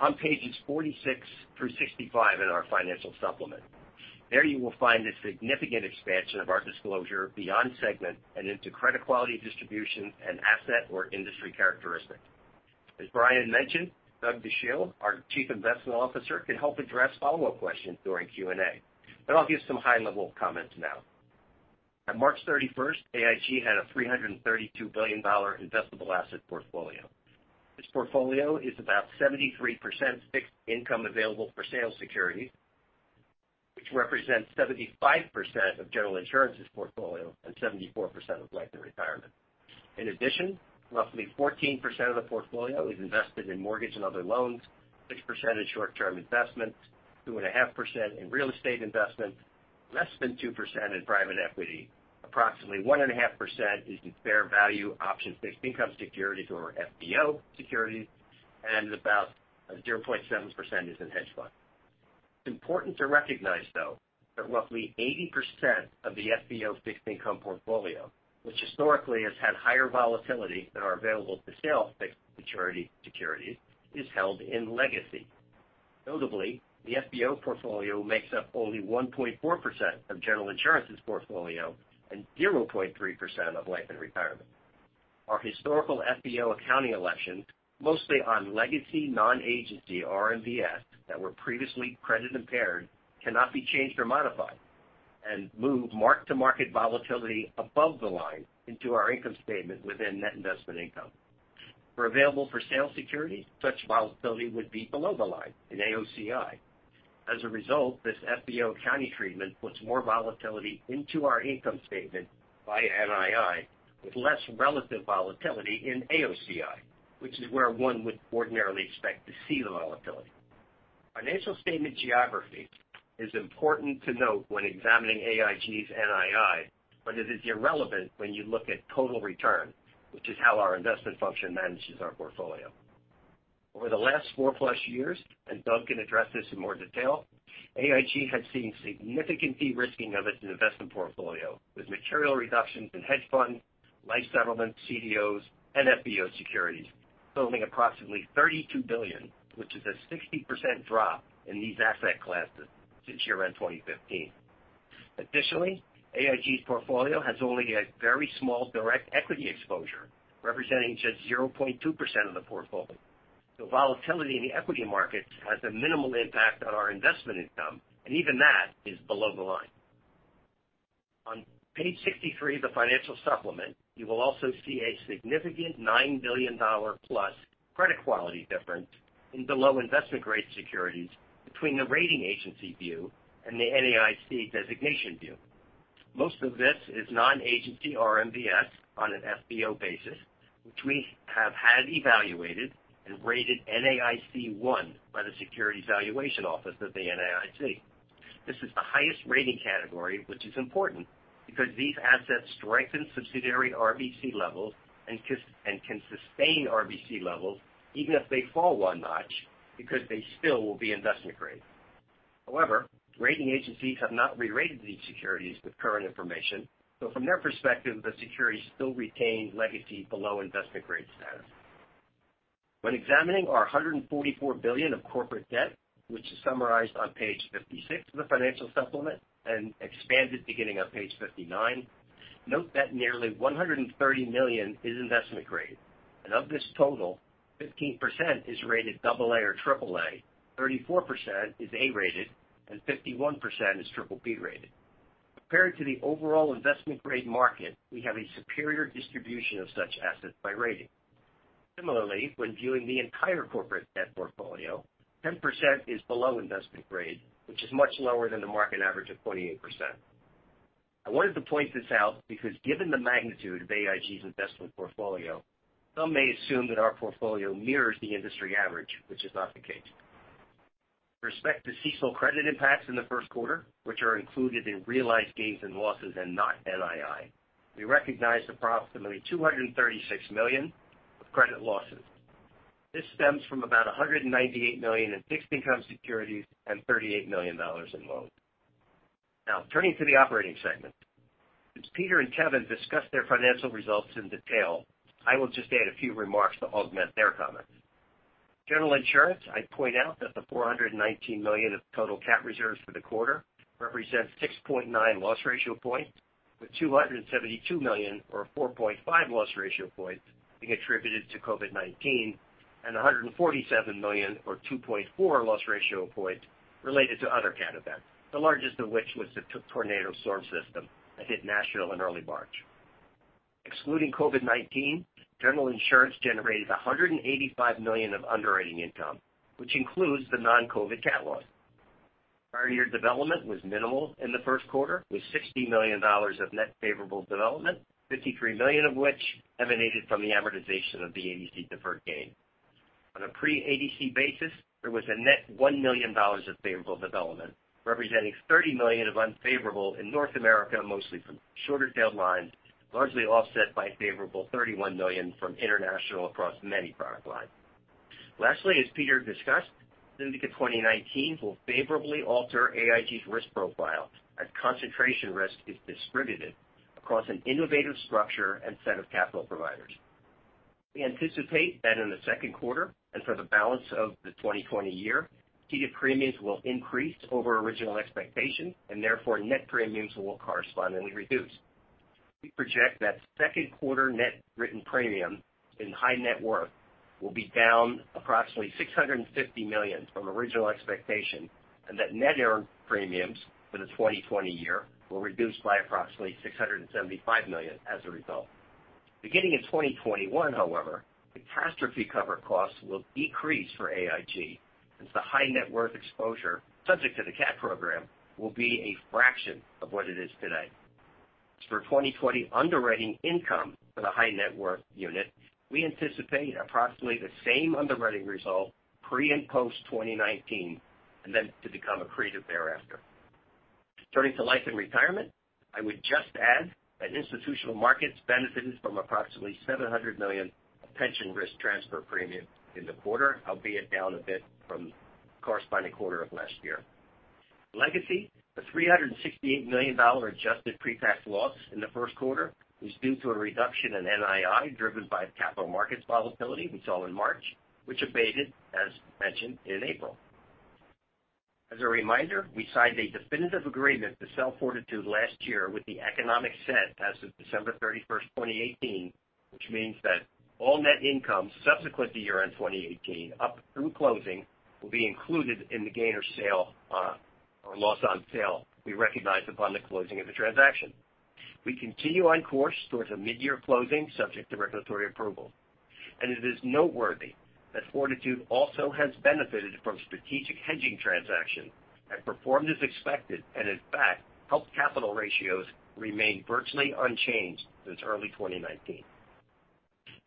on pages 46 through 65 in our financial supplement. There you will find a significant expansion of our disclosure beyond segment and into credit quality distribution and asset or industry characteristic. As Brian mentioned, Douglas Dachille, our Chief Investment Officer, can help address follow-up questions during Q&A. I'll give some high-level comments now. On March 31st, AIG had a $332 billion investable asset portfolio. This portfolio is about 73% fixed income available for sale securities, which represents 75% of General Insurance's portfolio and 74% of Life & Retirement. Roughly 14% of the portfolio is invested in mortgage and other loans, 6% in short-term investments, 2.5% in real estate investments, less than 2% in private equity. Approximately 1.5% is in fair value option fixed income securities or FBO securities. About 0.7% is in hedge funds. It's important to recognize, though, that roughly 80% of the FBO fixed income portfolio, which historically has had higher volatility than our available-for-sale fixed maturity securities, is held in Legacy. Notably, the FBO portfolio makes up only 1.4% of General Insurance's portfolio and 0.3% of Life & Retirement. Our historical FBO accounting elections, mostly on legacy non-agency RMBS that were previously credit impaired, cannot be changed or modified and move mark-to-market volatility above the line into our income statement within net investment income. For available-for-sale securities, such volatility would be below the line in AOCI. As a result, this FBO accounting treatment puts more volatility into our income statement via NII with less relative volatility in AOCI, which is where one would ordinarily expect to see the volatility. Financial statement geography is important to note when examining AIG's NII, but it is irrelevant when you look at total return, which is how our investment function manages our portfolio. Over the last four-plus years, Douglas can address this in more detail, AIG has seen significant de-risking of its investment portfolio, with material reductions in hedge funds, life settlements, CDOs, and FBO securities, totaling approximately $32 billion, which is a 60% drop in these asset classes since year-end 2015. Additionally, AIG's portfolio has only a very small direct equity exposure, representing just 0.2% of the portfolio. Volatility in the equity market has a minimal impact on our investment income, and even that is below the line. On page 63 of the financial supplement, you will also see a significant $9 billion-plus credit quality difference in below investment-grade securities between the rating agency view and the NAIC designation view. Most of this is non-agency RMBS on an FBO basis, which we have had evaluated and rated NAIC 1 by the Securities Valuation Office of the NAIC. This is the highest rating category, which is important because these assets strengthen subsidiary RBC levels and can sustain RBC levels even if they fall one notch because they still will be investment grade. However, rating agencies have not re-rated these securities with current information, so from their perspective, the securities still retain legacy below investment-grade status. When examining our $144 billion of corporate debt, which is summarized on page 56 of the financial supplement and expanded beginning on page 59, note that nearly $130 million is investment grade, and of this total, 15% is rated AA or AAA, 34% is A-rated, and 51% is BBB-rated. Compared to the overall investment-grade market, we have a superior distribution of such assets by rating. Similarly, when viewing the entire corporate debt portfolio, 10% is below investment grade, which is much lower than the market average of 28%. I wanted to point this out because given the magnitude of AIG's investment portfolio, some may assume that our portfolio mirrors the industry average, which is not the case. With respect to CECL credit impacts in the first quarter, which are included in realized gains and losses and not NII, we recognized approximately $236 million of credit losses. This stems from about $198 million in fixed income securities and $38 million in loans. Turning to the operating segment. Since Peter and Kevin discussed their financial results in detail, I will just add a few remarks to augment their comments. General Insurance, I'd point out that the $419 million of total cat reserves for the quarter represents 6.9 loss ratio points, with $272 million or 4.5 loss ratio points being attributed to COVID-19 and $147 million or 2.4 loss ratio points related to other cat events, the largest of which was the tornado storm system that hit Nashville in early March. Excluding COVID-19, General Insurance generated $185 million of underwriting income, which includes the non-COVID cat loss. Prior year development was minimal in the first quarter, with $60 million of net favorable development, $53 million of which emanated from the amortization of the ADC deferred gain. On a pre-ADC basis, there was a net $1 million of favorable development, representing $30 million of unfavorable in North America, mostly from shorter-tailed lines, largely offset by a favorable $31 million from international across many product lines. Lastly, as Peter discussed, Syndicate 2019 will favorably alter AIG's risk profile as concentration risk is distributed across an innovative structure and set of capital providers. We anticipate that in the second quarter and for the balance of the 2020 year, ceded premiums will increase over original expectation, and therefore, net premiums will correspondingly reduce. We project that second quarter net written premium in high net worth will be down approximately $650 million from original expectation, and that net earned premiums for the 2020 year will reduce by approximately $675 million as a result. Beginning in 2021, however, catastrophe cover costs will decrease for AIG as the high net worth exposure subject to the cat program will be a fraction of what it is today. As for 2020 underwriting income for the high net worth unit, we anticipate approximately the same underwriting result pre and post 2019, and then to become accretive thereafter. Turning to Life & Retirement, I would just add that Institutional Markets benefited from approximately $700 million of pension risk transfer premium in the quarter, albeit down a bit from the corresponding quarter of last year. Legacy, a $368 million adjusted pre-tax loss in the first quarter was due to a reduction in NII driven by capital markets volatility we saw in March, which abated, as mentioned, in April. As a reminder, we signed a definitive agreement to sell Fortitude Re last year with the economic set as of December 31st, 2018, which means that all net income subsequent to year-end 2018 up through closing will be included in the gain or loss on sale we recognize upon the closing of the transaction. We continue on course towards a midyear closing subject to regulatory approval. It is noteworthy that Fortitude also has benefited from strategic hedging transactions that performed as expected, and in fact, helped capital ratios remain virtually unchanged since early 2019.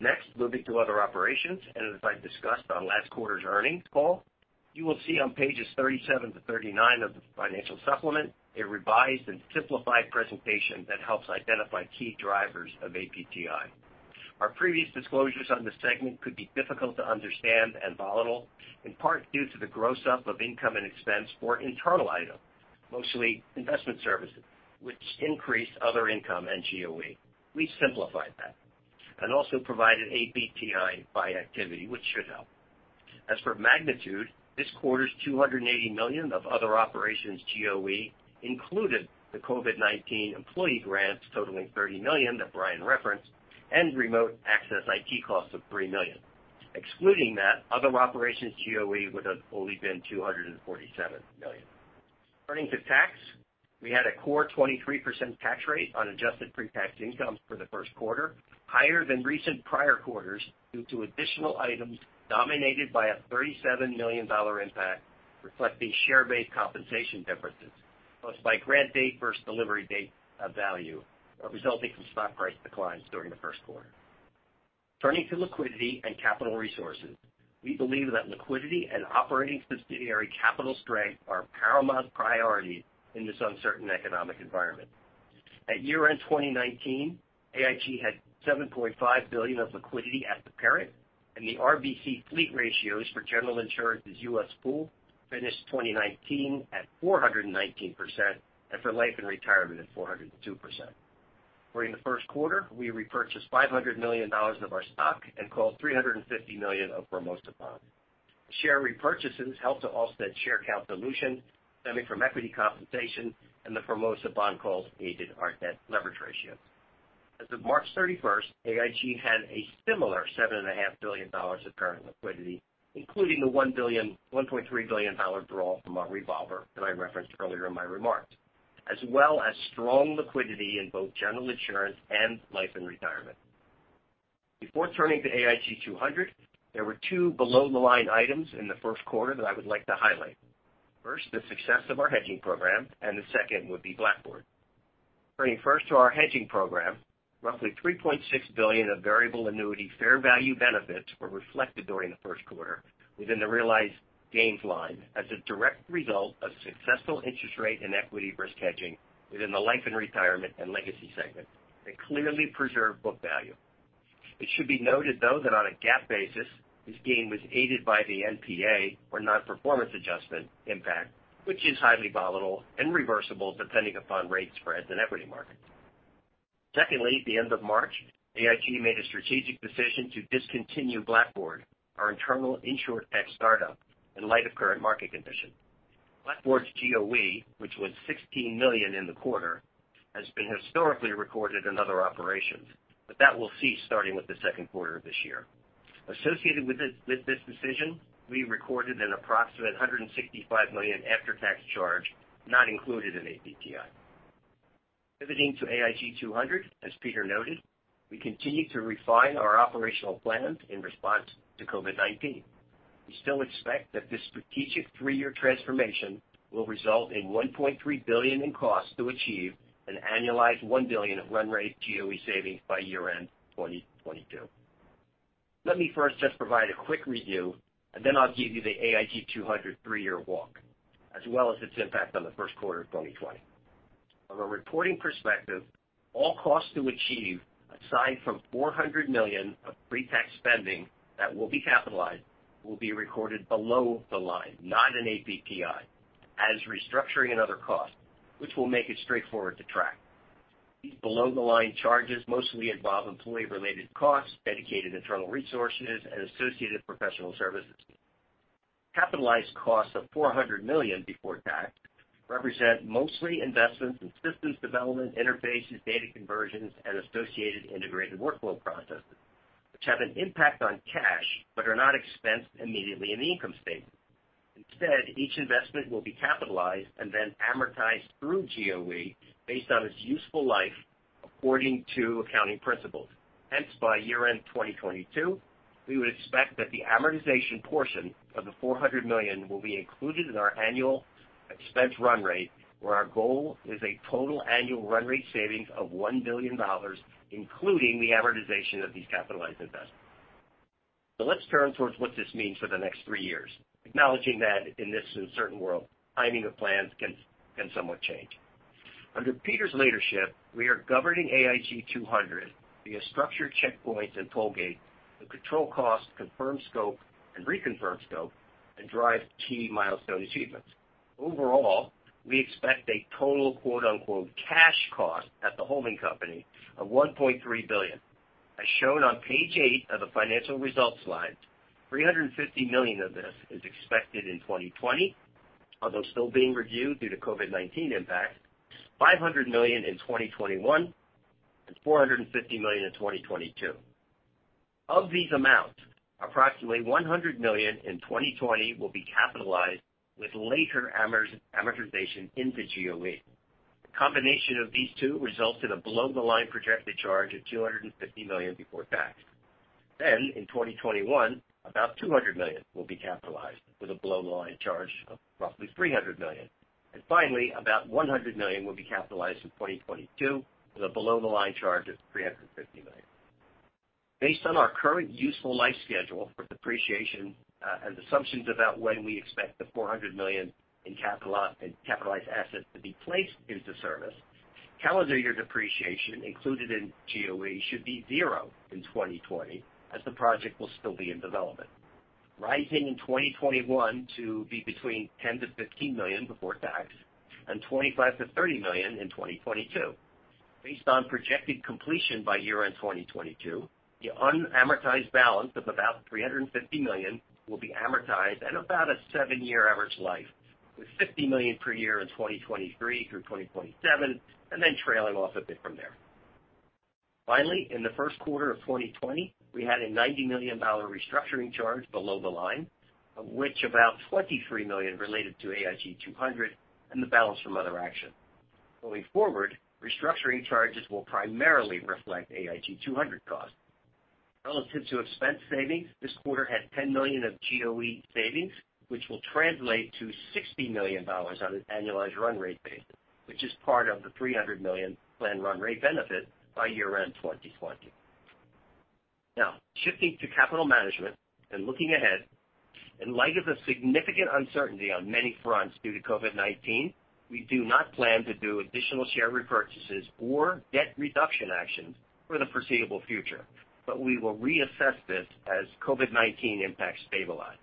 Next, moving to other operations. As I discussed on last quarter's earnings call, you will see on pages 37 to 39 of the financial supplement a revised and simplified presentation that helps identify key drivers of APTI. Our previous disclosures on this segment could be difficult to understand and volatile, in part due to the gross up of income and expense for internal items, mostly investment services, which increased other income and GOE. We simplified that and also provided APTI by activity, which should help. As for magnitude, this quarter's $280 million of other operations GOE included the COVID-19 employee grants totaling $30 million that Brian referenced, and remote access IT costs of $3 million. Excluding that, other operations GOE would have only been $247 million. Turning to tax, we had a core 23% tax rate on adjusted pre-tax income for the first quarter, higher than recent prior quarters due to additional items dominated by a $37 million impact reflecting share-based compensation differences, plus by grant date versus delivery date of value resulting from stock price declines during the first quarter. Turning to liquidity and capital resources, we believe that liquidity and operating subsidiary capital strength are paramount priorities in this uncertain economic environment. At year-end 2019, AIG had $7.5 billion of liquidity at the parent, and the RBC fleet ratios for General Insurance's U.S. pool finished 2019 at 419%, and for Life & Retirement at 402%. During the first quarter, we repurchased $500 million of our stock and called $350 million of Formosa bonds. Share repurchases helped to offset share count dilution stemming from equity compensation. The Formosa bond calls aided our debt leverage ratio. As of March 31st, AIG had a similar $7.5 billion of current liquidity, including the $1.3 billion draw from our revolver that I referenced earlier in my remarks, as well as strong liquidity in both General Insurance and Life & Retirement. Before turning to AIG 200, there were two below-the-line items in the first quarter that I would like to highlight. First, the success of our hedging program. The second would be Blackboard. Turning first to our hedging program, roughly $3.6 billion of variable annuity fair value benefits were reflected during the first quarter within the realized gains line as a direct result of successful interest rate and equity risk hedging within the Life & Retirement and Legacy segment. They clearly preserve book value. It should be noted, though, that on a GAAP basis, this gain was aided by the NPA or non-performance adjustment impact, which is highly volatile and reversible depending upon rate spreads and equity markets. Secondly, at the end of March, AIG made a strategic decision to discontinue Blackboard, our internal insured tech startup, in light of current market conditions. That will cease starting with the second quarter of this year. Blackboard's GOE, which was $16 million in the quarter, has been historically recorded in other operations. Associated with this decision, we recorded an approximate $165 million after-tax charge, not included in APTI. Pivoting to AIG 200, as Peter noted, we continue to refine our operational plans in response to COVID-19. We still expect that this strategic three-year transformation will result in $1.3 billion in costs to achieve an annualized $1 billion of run rate GOE savings by year-end 2022. Let me first just provide a quick review, and then I'll give you the AIG 200 three-year walk, as well as its impact on the first quarter of 2020. From a reporting perspective, all costs to achieve, aside from $400 million of pre-tax spending that will be capitalized, will be recorded below the line, not in APTI, as restructuring and other costs, which will make it straightforward to track. These below-the-line charges mostly involve employee-related costs, dedicated internal resources, and associated professional services. Capitalized costs of $400 million before tax represent mostly investments in systems development, interfaces, data conversions, and associated integrated workflow processes, which have an impact on cash, but are not expensed immediately in the income statement. Instead, each investment will be capitalized and then amortized through GOE based on its useful life according to accounting principles. Hence, by year-end 2022, we would expect that the amortization portion of the $400 million will be included in our annual expense run rate, where our goal is a total annual run rate savings of $1 billion, including the amortization of these capitalized investments. Let's turn towards what this means for the next three years, acknowledging that in this uncertain world, timing of plans can somewhat change. Under Peter's leadership, we are governing AIG 200 via structured checkpoints and pull gates to control costs, confirm scope, reconfirm scope, and drive key milestone achievements. Overall, we expect a total "cash cost" at the holding company of $1.3 billion. As shown on page eight of the financial results slide, $350 million of this is expected in 2020, although still being reviewed due to COVID-19 impact, $500 million in 2021, and $450 million in 2022. Of these amounts, approximately $100 million in 2020 will be capitalized with later amortization into GOE. The combination of these two results in a below-the-line projected charge of $250 million before tax. In 2021, about $200 million will be capitalized with a below-the-line charge of roughly $300 million. Finally, about $100 million will be capitalized in 2022 with a below-the-line charge of $350 million. Based on our current useful life schedule for depreciation and assumptions about when we expect the $400 million in capitalized assets to be placed into service, calendar year depreciation included in GOE should be zero in 2020, as the project will still be in development. Rising in 2021 to be between $10 million-$15 million before tax, and $25 million-$30 million in 2022. Based on projected completion by year-end 2022, the unamortized balance of about $350 million will be amortized at about a seven-year average life, with $50 million per year in 2023 through 2027, and then trailing off a bit from there. In the first quarter of 2020, we had a $90 million restructuring charge below the line, of which about $23 million related to AIG 200, and the balance from other action. Going forward, restructuring charges will primarily reflect AIG 200 costs. Relative to expense savings, this quarter had $10 million of GOE savings, which will translate to $60 million on an annualized run rate basis, which is part of the $300 million planned run rate benefit by year-end 2020. Shifting to capital management and looking ahead, in light of the significant uncertainty on many fronts due to COVID-19, we do not plan to do additional share repurchases or debt reduction actions for the foreseeable future. We will reassess this as COVID-19 impacts stabilize.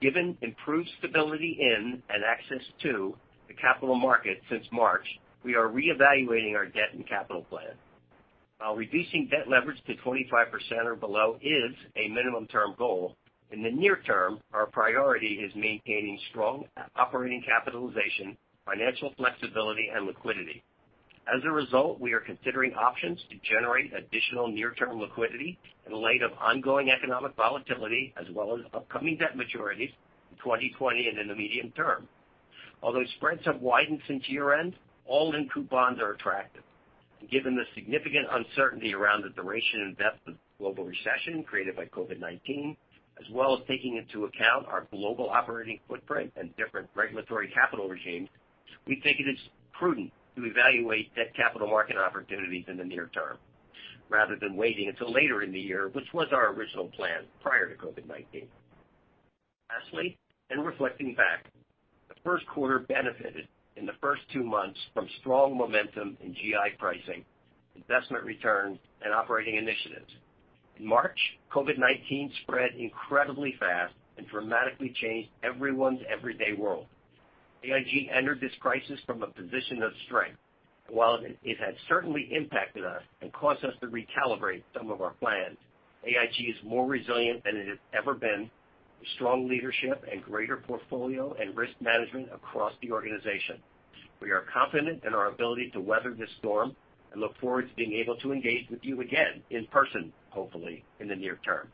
Given improved stability in and access to the capital market since March, we are reevaluating our debt and capital plan. While reducing debt leverage to 25% or below is a minimum term goal, in the near term, our priority is maintaining strong operating capitalization, financial flexibility, and liquidity. As a result, we are considering options to generate additional near-term liquidity in light of ongoing economic volatility, as well as upcoming debt maturities in 2020 and in the medium term. Although spreads have widened since year-end, all new coupons are attractive. Given the significant uncertainty around the duration and depth of global recession created by COVID-19, as well as taking into account our global operating footprint and different regulatory capital regimes, we think it is prudent to evaluate debt capital market opportunities in the near term rather than waiting until later in the year, which was our original plan prior to COVID-19. Lastly, in reflecting back, the first quarter benefited in the first two months from strong momentum in GI pricing, investment returns, and operating initiatives. In March, COVID-19 spread incredibly fast and dramatically changed everyone's everyday world. AIG entered this crisis from a position of strength. While it has certainly impacted us and caused us to recalibrate some of our plans, AIG is more resilient than it has ever been, with strong leadership and greater portfolio and risk management across the organization. We are confident in our ability to weather this storm and look forward to being able to engage with you again in person, hopefully, in the near term.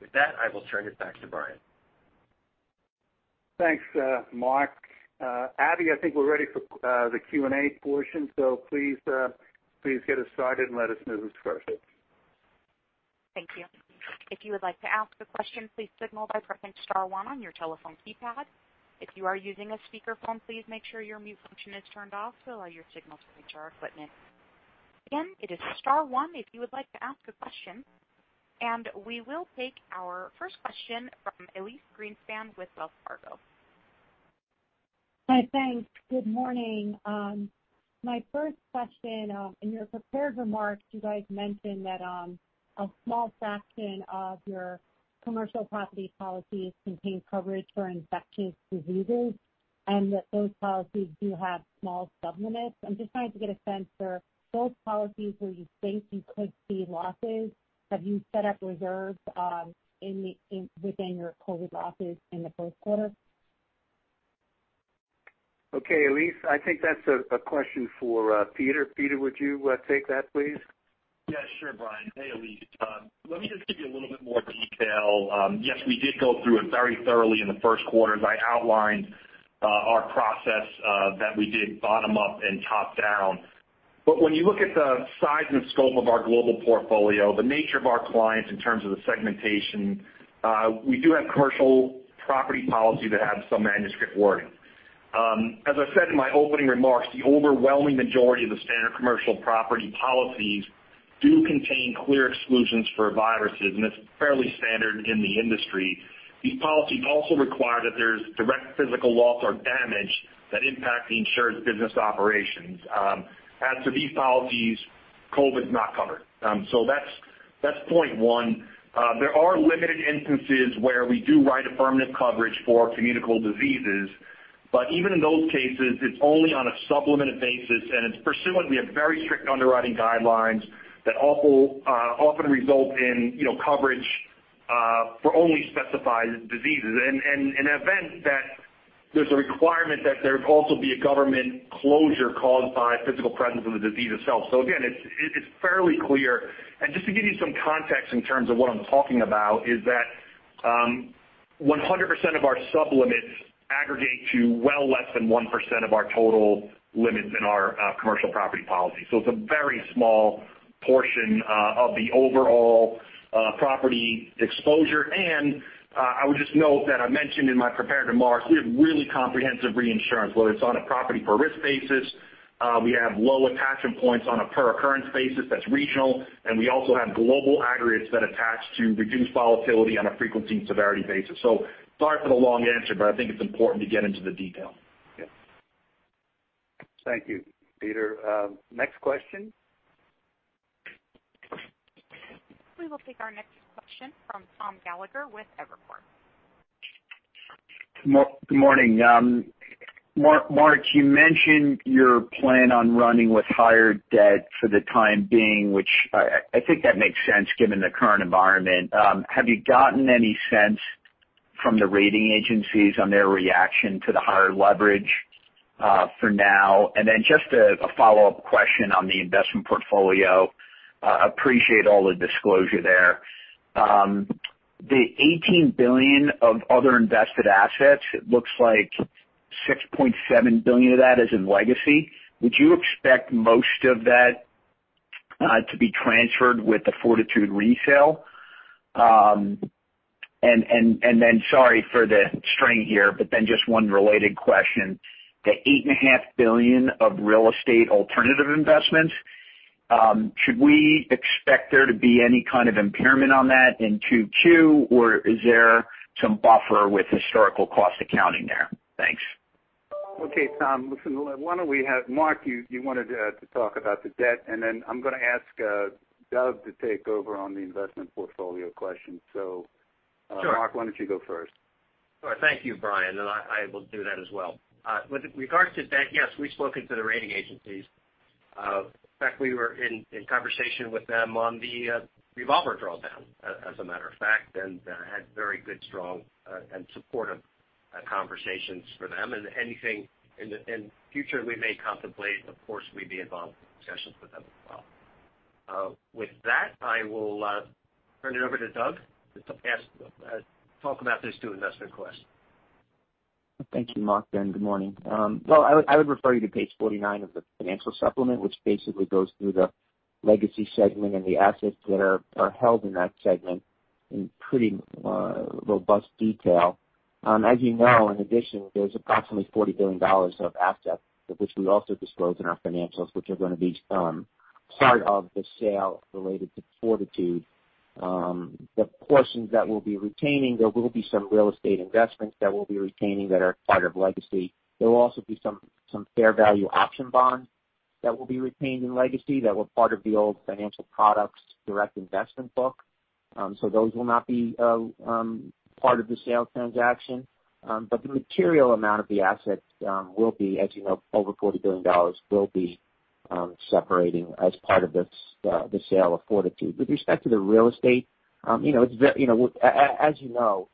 With that, I will turn it back to Brian. Thanks, Mark. Abby, I think we're ready for the Q&A portion, so please get us started and let us move forward. Thank you. If you would like to ask a question, please signal by pressing star one on your telephone keypad. If you are using a speakerphone, please make sure your mute function is turned off to allow your signal to reach our equipment. Again, it is star one if you would like to ask a question. We will take our first question from Elyse Greenspan with Wells Fargo. Hi, thanks. Good morning. My first question, in your prepared remarks, you guys mentioned that a small fraction of your commercial property policies contain coverage for infectious diseases and that those policies do have small sublimits. I'm just trying to get a sense for those policies where you think you could see losses? Have you set up reserves within your COVID losses in the first quarter? Okay, Elyse, I think that's a question for Peter. Peter, would you take that, please? Yeah, sure, Brian. Hey, Elyse. Let me just give you a little bit more detail. Yes, we did go through it very thoroughly in the first quarter, as I outlined our process, that we did bottom up and top down. When you look at the size and scope of our global portfolio, the nature of our clients in terms of the segmentation, we do have commercial property policy that have some manuscript wording. As I said in my opening remarks, the overwhelming majority of the standard commercial property policies do contain clear exclusions for viruses, and it's fairly standard in the industry. These policies also require that there's direct physical loss or damage that impact the insured's business operations. As to these policies, COVID's not covered. That's point one. There are limited instances where we do write affirmative coverage for communicable diseases. Even in those cases, it's only on a sublimited basis, and it's pursuant. We have very strict underwriting guidelines that often result in coverage for only specified diseases. In event that there's a requirement that there also be a government closure caused by physical presence of the disease itself. Again, it's fairly clear. Just to give you some context in terms of what I'm talking about is that 100% of our sublimits aggregate to well less than 1% of our total limits in our commercial property policy. It's a very small portion of the overall property exposure. I would just note that I mentioned in my prepared remarks, we have really comprehensive reinsurance, whether it's on a property per risk basis, we have low attachment points on a per occurrence basis that's regional, and we also have global aggregates that attach to reduce volatility on a frequency and severity basis. Sorry for the long answer, but I think it's important to get into the detail. Yeah. Thank you, Peter. Next question. We will take our next question from Thomas Gallagher with Evercore. Good morning. Mark, you mentioned your plan on running with higher debt for the time being, which I think that makes sense given the current environment. Have you gotten any sense from the rating agencies on their reaction to the higher leverage for now? Just a follow-up question on the investment portfolio. Appreciate all the disclosure there. The $18 billion of other invested assets, it looks like $6.7 billion of that is in legacy. Would you expect most of that to be transferred with the Fortitude resale? Sorry for the strain here, just one related question. The $8.5 billion of real estate alternative investments, should we expect there to be any kind of impairment on that in Q2, or is there some buffer with historical cost accounting there? Thanks. Okay, Tom. Listen, why don't we have Mark, you wanted to talk about the debt, and then I'm going to ask Douglas to take over on the investment portfolio question. Sure. Mark, why don't you go first? Sure. Thank you, Brian. I will do that as well. With regards to debt, yes, we've spoken to the rating agencies. In fact, we were in conversation with them on the revolver drawdown, as a matter of fact, and had very good, strong, and supportive conversations for them. Anything in the future we may contemplate, of course, we'd be involved in discussions with them as well. With that, I will turn it over to Douglas to talk about these two investment questions. Thank you, Mark, and good morning. Well, I would refer you to page 49 of the financial supplement, which basically goes through the legacy segment and the assets that are held in that segment in pretty robust detail. As you know, in addition, there's approximately $40 billion of assets that which we also disclose in our financials, which are going to be part of the sale related to Fortitude. The portions that we'll be retaining, there will be some real estate investments that we'll be retaining that are part of legacy. There will also be some fair value option bonds that will be retained in legacy that were part of the old financial products direct investment book. Those will not be part of the sale transaction. The material amount of the assets will be, as you know, over $40 billion will be separating as part of the sale of Fortitude. With respect to the real estate, as you know,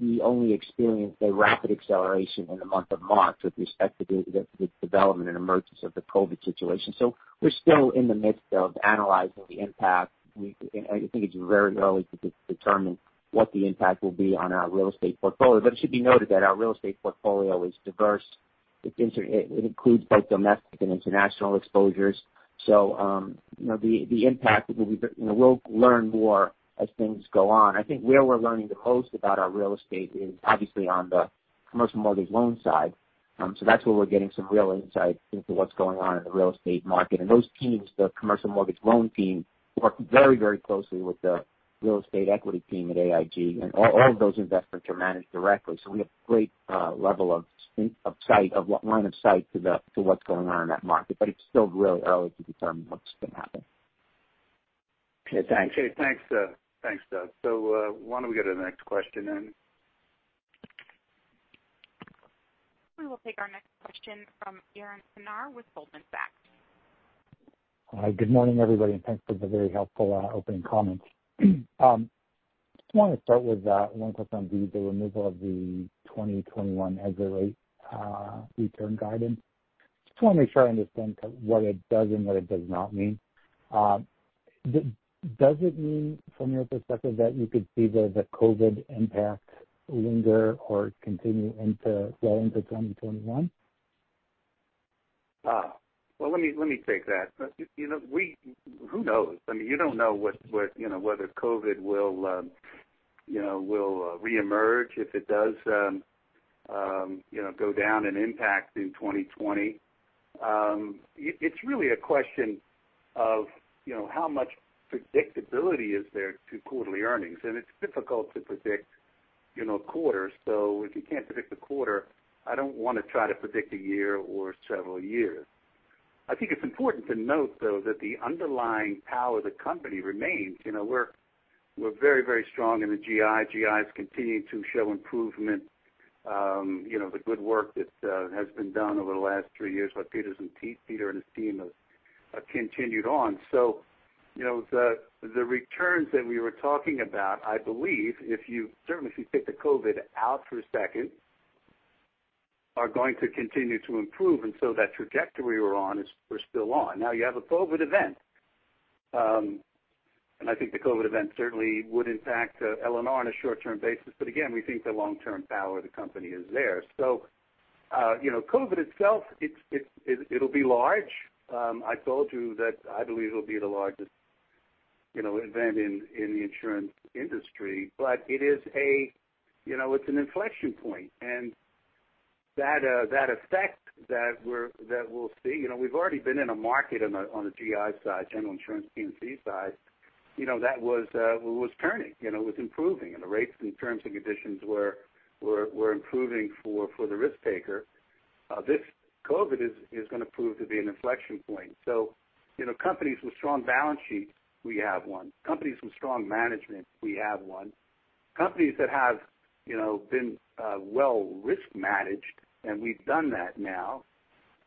we only experienced a rapid acceleration in the month of March with respect to the development and emergence of the COVID-19 situation. We're still in the midst of analyzing the impact. I think it's very early to determine what the impact will be on our real estate portfolio. It should be noted that our real estate portfolio is diverse. It includes both domestic and international exposures. We'll learn more as things go on. I think where we're learning the most about our real estate is obviously on the commercial mortgage loan side. That's where we're getting some real insight into what's going on in the real estate market. Those teams, the commercial mortgage loan team, work very closely with the real estate equity team at AIG, and all of those investments are managed directly. We have a great level of line of sight to what's going on in that market. It's still really early to determine what's going to happen. Okay, thanks. Okay, thanks, Douglas. Why don't we go to the next question then? We will take our next question from Yaron Kinar with Goldman Sachs. Hi, good morning, everybody. Thanks for the very helpful opening comments. Just want to start with one question on the removal of the 2021 hedge rate return guidance. Just want to make sure I understand what it does and what it does not mean. Does it mean from your perspective that you could see the COVID impact linger or continue well into 2021? Well, let me take that. Who knows? You don't know whether COVID will reemerge, if it does go down in impact in 2020. It's really a question of how much predictability is there to quarterly earnings, and it's difficult to predict quarters. If you can't predict a quarter, I don't want to try to predict a year or several years. I think it's important to note, though, that the underlying power of the company remains. We're very strong in the GI. GI's continuing to show improvement. The good work that has been done over the last three years by Peter and his team have continued on. The returns that we were talking about, I believe certainly if you take the COVID out for a second, are going to continue to improve, and that trajectory we're on, we're still on. You have a COVID event. I think the COVID event certainly would impact L&R on a short-term basis, again, we think the long-term power of the company is there. COVID itself, it'll be large. I told you that I believe it'll be the largest event in the insurance industry, it's an inflection point. That effect that we'll see, we've already been in a market on the GI side, General Insurance P&C side, that was turning, it was improving, and the rates and terms and conditions were improving for the risk taker. This COVID is going to prove to be an inflection point. Companies with strong balance sheets, we have one. Companies with strong management, we have one. Companies that have been well risk managed, and we've done that now,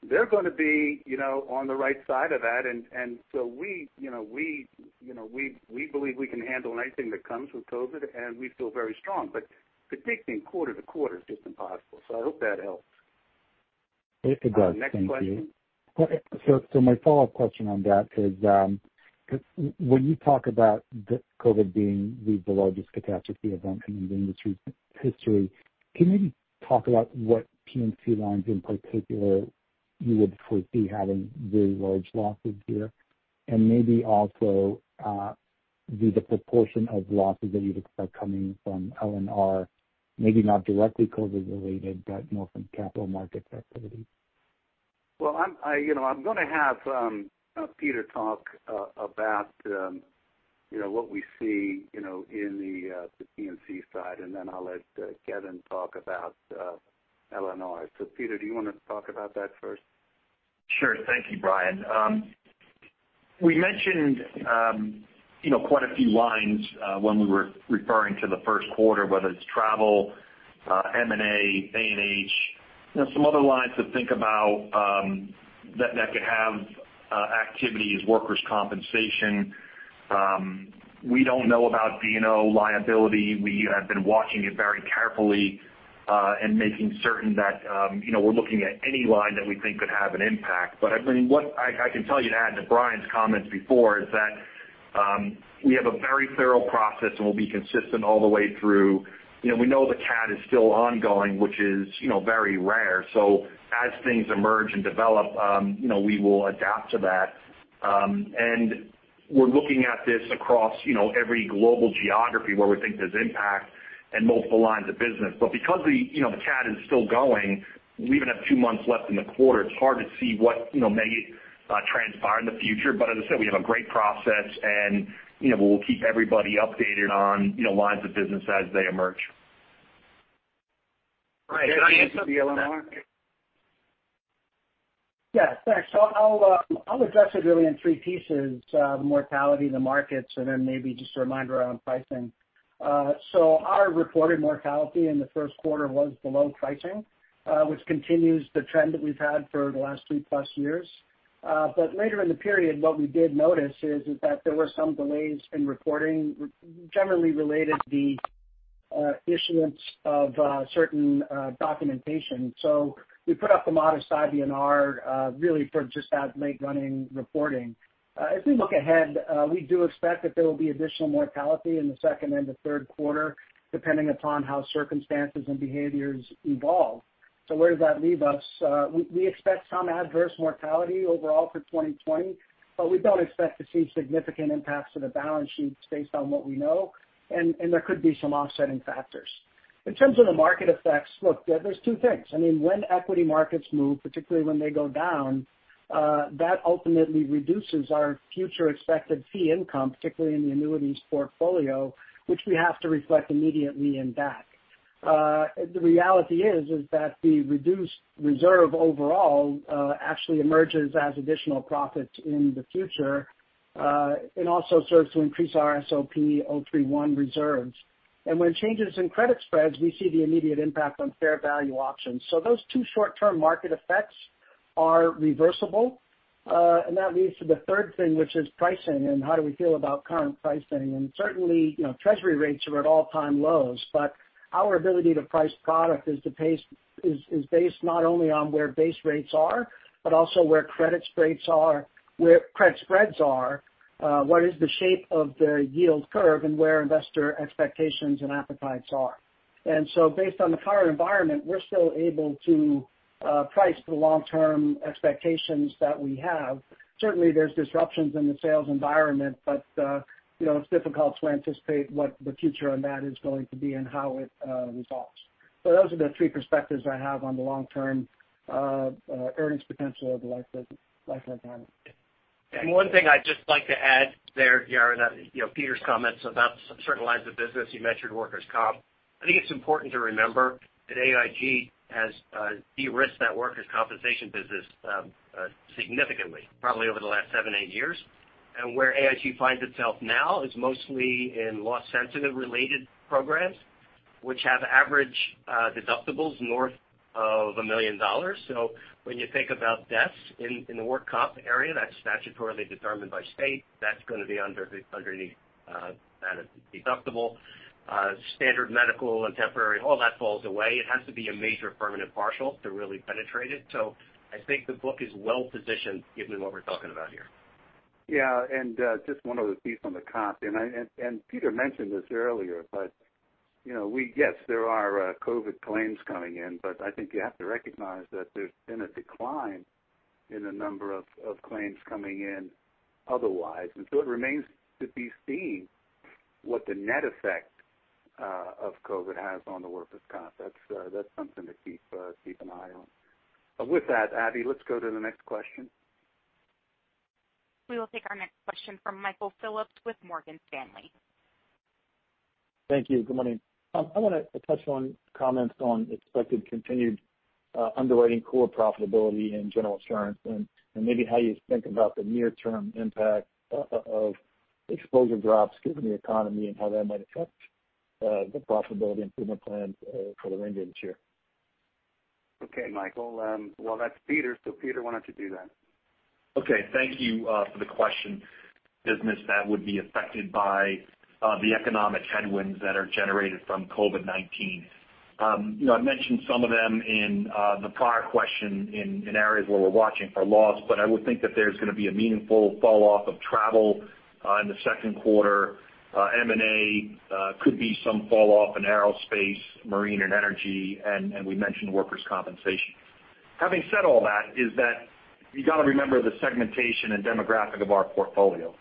they're going to be on the right side of that, and so we believe we can handle anything that comes with COVID, and we feel very strong. Predicting quarter to quarter is just impossible. I hope that helps. It does. Thank you. Next question? My follow-up question on that is, when you talk about COVID being the largest catastrophe event in industry history, can you maybe talk about what P&C lines in particular you would foresee having very large losses here? And maybe also the proportion of losses that you'd expect coming from L&R, maybe not directly COVID-related, but more from capital markets activity. I'm going to have Peter talk about what we see in the P&C side, and then I'll let Kevin talk about L&R. Peter, do you want to talk about that first? Sure. Thank you, Brian. We mentioned quite a few lines when we were referring to the first quarter, whether it's travel, M&A, A&H. Some other lines to think about that could have activity is workers' compensation. We don't know about D&O liability. We have been watching it very carefully and making certain that we're looking at any line that we think could have an impact. I can tell you to add to Brian's comments before, is that we have a very thorough process, and we'll be consistent all the way through. We know the cat is still ongoing, which is very rare. As things emerge and develop, we will adapt to that. We're looking at this across every global geography where we think there's impact and multiple lines of business. Because the cat is still going, we even have two months left in the quarter, it's hard to see what may transpire in the future. As I said, we have a great process, and we'll keep everybody updated on lines of business as they emerge. Alright. Kevin, can I ask you for L&R? Yeah, thanks. I'll address it really in three pieces, the mortality, the markets, and then maybe just a reminder around pricing. Our reported mortality in the first quarter was below pricing, which continues the trend that we've had for the last three-plus years. Later in the period, what we did notice is that there were some delays in reporting, generally related to the issuance of certain documentation. We put up a modest IBNR really for just that late-running reporting. As we look ahead, we do expect that there will be additional mortality in the second and the third quarter, depending upon how circumstances and behaviors evolve. Where does that leave us? We expect some adverse mortality overall for 2020, but we don't expect to see significant impacts to the balance sheets based on what we know, and there could be some offsetting factors. In terms of the market effects, look, there's two things. When equity markets move, particularly when they go down, that ultimately reduces our future expected fee income, particularly in the annuities portfolio, which we have to reflect immediately in DAC. The reality is that the reduced reserve overall actually emerges as additional profit in the future, and also serves to increase our SOP 03-1 reserves. When changes in credit spreads, we see the immediate impact on fair value options. Those two short-term market effects are reversible. That leads to the third thing, which is pricing and how do we feel about current pricing. Certainly, treasury rates are at all-time lows, but our ability to price product is based not only on where base rates are, but also where credit spreads are, what is the shape of the yield curve, and where investor expectations and appetites are. Based on the current environment, we're still able to price for the long-term expectations that we have. Certainly, there's disruptions in the sales environment, but it's difficult to anticipate what the future on that is going to be and how it resolves. Those are the three perspectives I have on the long-term earnings potential of the Life & Retirement. One thing I'd just like to add there, Yaron, Peter's comments about certain lines of business, you mentioned workers' comp. I think it's important to remember that AIG has de-risked that workers' compensation business significantly, probably over the last seven, eight years. Where AIG finds itself now is mostly in loss-sensitive related programs, which have average deductibles north of a million dollars. When you think about deaths in the work comp area, that's statutorily determined by state, that's going to be underneath that deductible. Standard medical and temporary, all that falls away. It has to be a major permanent partial to really penetrate it. I think the book is well-positioned given what we're talking about here. Yeah, just one other piece on the comp, and Peter mentioned this earlier, but yes, there are COVID claims coming in, but I think you have to recognize that there's been a decline in the number of claims coming in otherwise. It remains to be seen what the net effect of COVID has on the workers' comp. That's something to keep an eye on. With that, Abby, let's go to the next question. We will take our next question from Michael Phillips with Morgan Stanley. Thank you. Good morning. I want to touch on comments on expected continued underwriting core profitability in General Insurance and maybe how you think about the near-term impact of exposure drops given the economy and how that might affect the profitability improvement plans for the remainder of this year. Okay, Michael. Well, that's Peter, so Peter, why don't you do that? Okay. Thank you for the question. Business that would be affected by the economic headwinds that are generated from COVID-19. I mentioned some of them in the prior question in areas where we're watching for loss, but I would think that there's going to be a meaningful falloff of travel in the second quarter. M&A could be some falloff in aerospace, marine, and energy, and we mentioned workers' compensation. Having said all that, is that you got to remember the segmentation and demographic of our portfolio.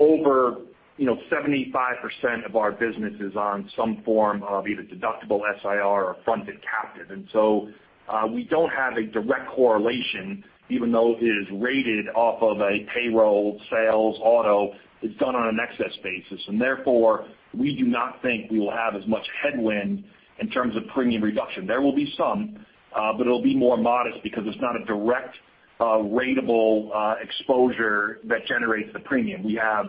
Over 75% of our business is on some form of either deductible SIR or fronted captive. We don't have a direct correlation, even though it is rated off of a payroll, sales, auto, it's done on an excess basis, and therefore, we do not think we will have as much headwind in terms of premium reduction. There will be some, but it'll be more modest because it's not a direct ratable exposure that generates the premium. We have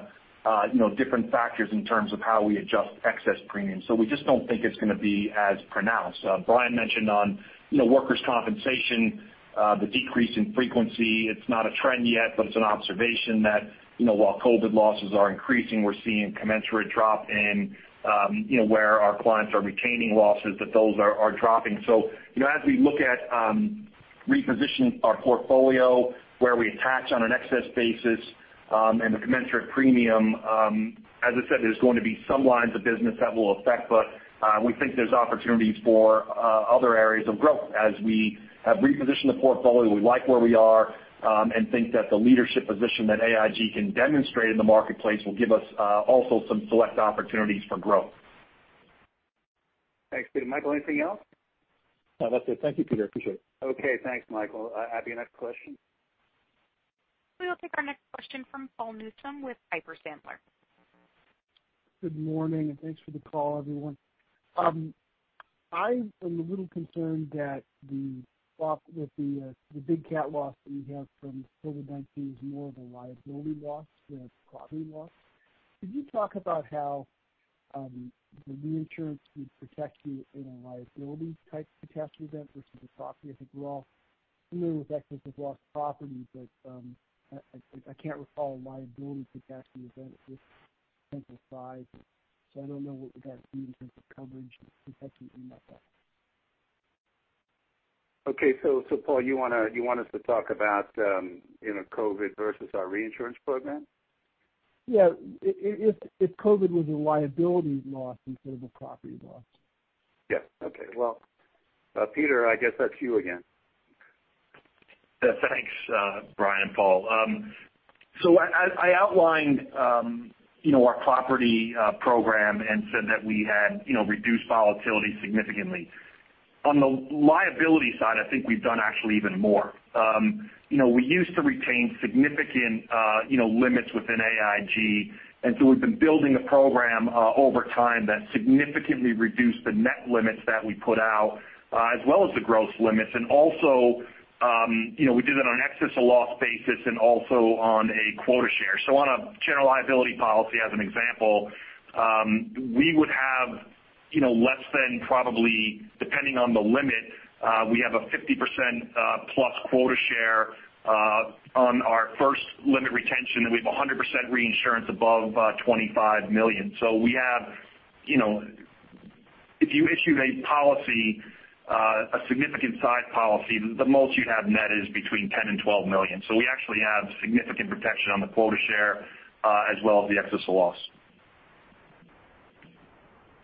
different factors in terms of how we adjust excess premiums. We just don't think it's going to be as pronounced. Brian mentioned on workers' compensation, the decrease in frequency. It's not a trend yet, but it's an observation that while COVID losses are increasing, we're seeing commensurate drop in where our clients are retaining losses, that those are dropping. As we look at reposition our portfolio where we attach on an excess basis and the commensurate premium, as I said, there's going to be some lines of business that will affect, but we think there's opportunities for other areas of growth as we have repositioned the portfolio. We like where we are and think that the leadership position that AIG can demonstrate in the marketplace will give us also some select opportunities for growth. Thanks, Peter. Michael, anything else? No, that's it. Thank you, Peter. Appreciate it. Okay. Thanks, Michael. Abby, next question. We will take our next question from Paul Newsome with Piper Sandler. Good morning. Thanks for the call, everyone. I am a little concerned that the big cat loss that we have from COVID-19 is more of a liability loss than a property loss. Could you talk about how the reinsurance would protect you in a liability-type catastrophe event versus a property? I think we're all familiar with excess of loss property. I can't recall a liability catastrophe event of this potential size. I don't know what we got to do in terms of coverage to protect you in that event. Okay. Paul, you want us to talk about COVID versus our reinsurance program? Yeah. If COVID was a liability loss instead of a property loss. Yeah. Okay. Well, Peter, I guess that's you again. Thanks, Brian, Paul. I outlined our property program and said that we had reduced volatility significantly. On the liability side, I think we've done actually even more. We used to retain significant limits within AIG, and so we've been building a program over time that significantly reduced the net limits that we put out, as well as the gross limits. Also, we did that on excess of loss basis and also on a quota share. On a general liability policy, as an example, we would have less than probably, depending on the limit, we have a 50%-plus quota share on our first limit retention, and we have 100% reinsurance above $25 million. If you issued a policy, a significant size policy, the most you'd have net is between $10 million and $12 million. We actually have significant protection on the quota share as well as the excess of loss.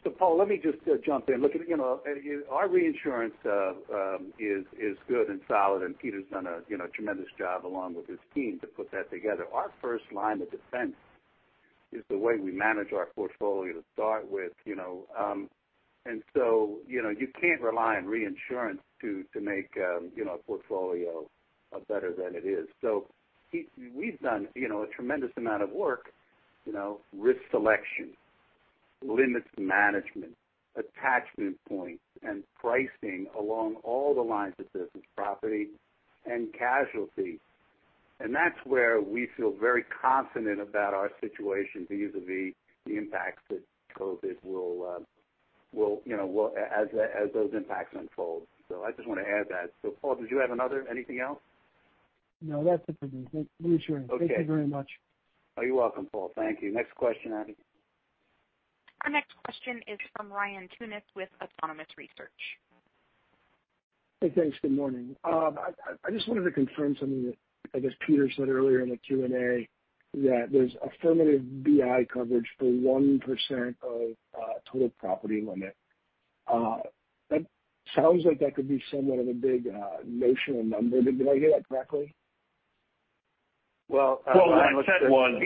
Paul, let me just jump in. Look, our reinsurance is good and solid, and Peter's done a tremendous job along with his team to put that together. Our first line of defense is the way we manage our portfolio to start with. You can't rely on reinsurance to make a portfolio better than it is. We've done a tremendous amount of work, risk selection, limits management, attachment points, and pricing along all the lines of business, property and casualty. That's where we feel very confident about our situation vis-a-vis the impacts that COVID will, as those impacts unfold. I just want to add that. Paul, did you have another, anything else? No, that's it for me. Reinsurance. Okay. Thank you very much. Oh, you're welcome, Paul. Thank you. Next question, Abby. Our next question is from Ryan Tunis with Autonomous Research. Hey, thanks. Good morning. I just wanted to confirm something that I guess Peter said earlier in the Q&A, that there's affirmative BI coverage for 1% of total property limit. That sounds like that could be somewhat of a big notional number. Did I hear that correctly? Well… <crosstalk> Well, what I said was that.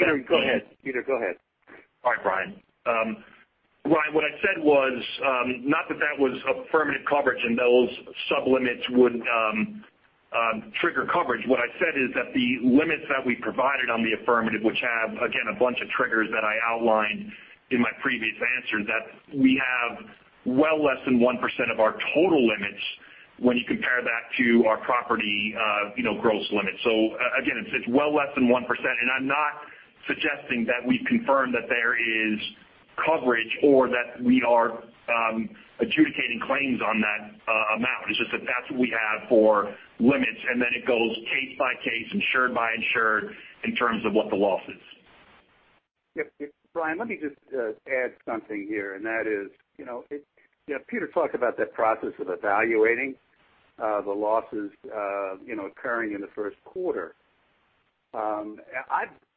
Peter, go ahead. Hi, Brian. Ryan, what I said was not that was affirmative coverage and those sub-limits would trigger coverage. What I said is that the limits that we provided on the affirmative, which have, again, a bunch of triggers that I outlined in my previous answers, that we have well less than 1% of our total limits when you compare that to our property gross limits. Again, it's well less than 1%. I'm not suggesting that we've confirmed that there is coverage or that we are adjudicating claims on that amount. It's just that that's what we have for limits, and then it goes case by case, insured by insured, in terms of what the loss is. Yep. Brian, let me just add something here, and that is, Peter talked about that process of evaluating the losses occurring in the first quarter.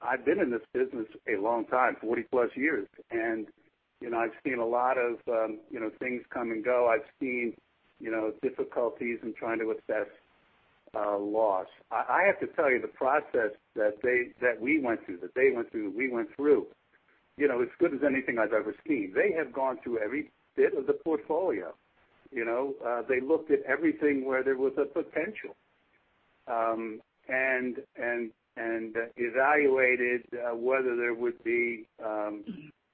I've been in this business a long time, 40+ years, and I've seen a lot of things come and go. I've seen difficulties in trying to assess loss. I have to tell you, the process that we went through, that they went through, it's as good as anything I've ever seen. They have gone through every bit of the portfolio. They looked at everything where there was a potential, and evaluated whether there would be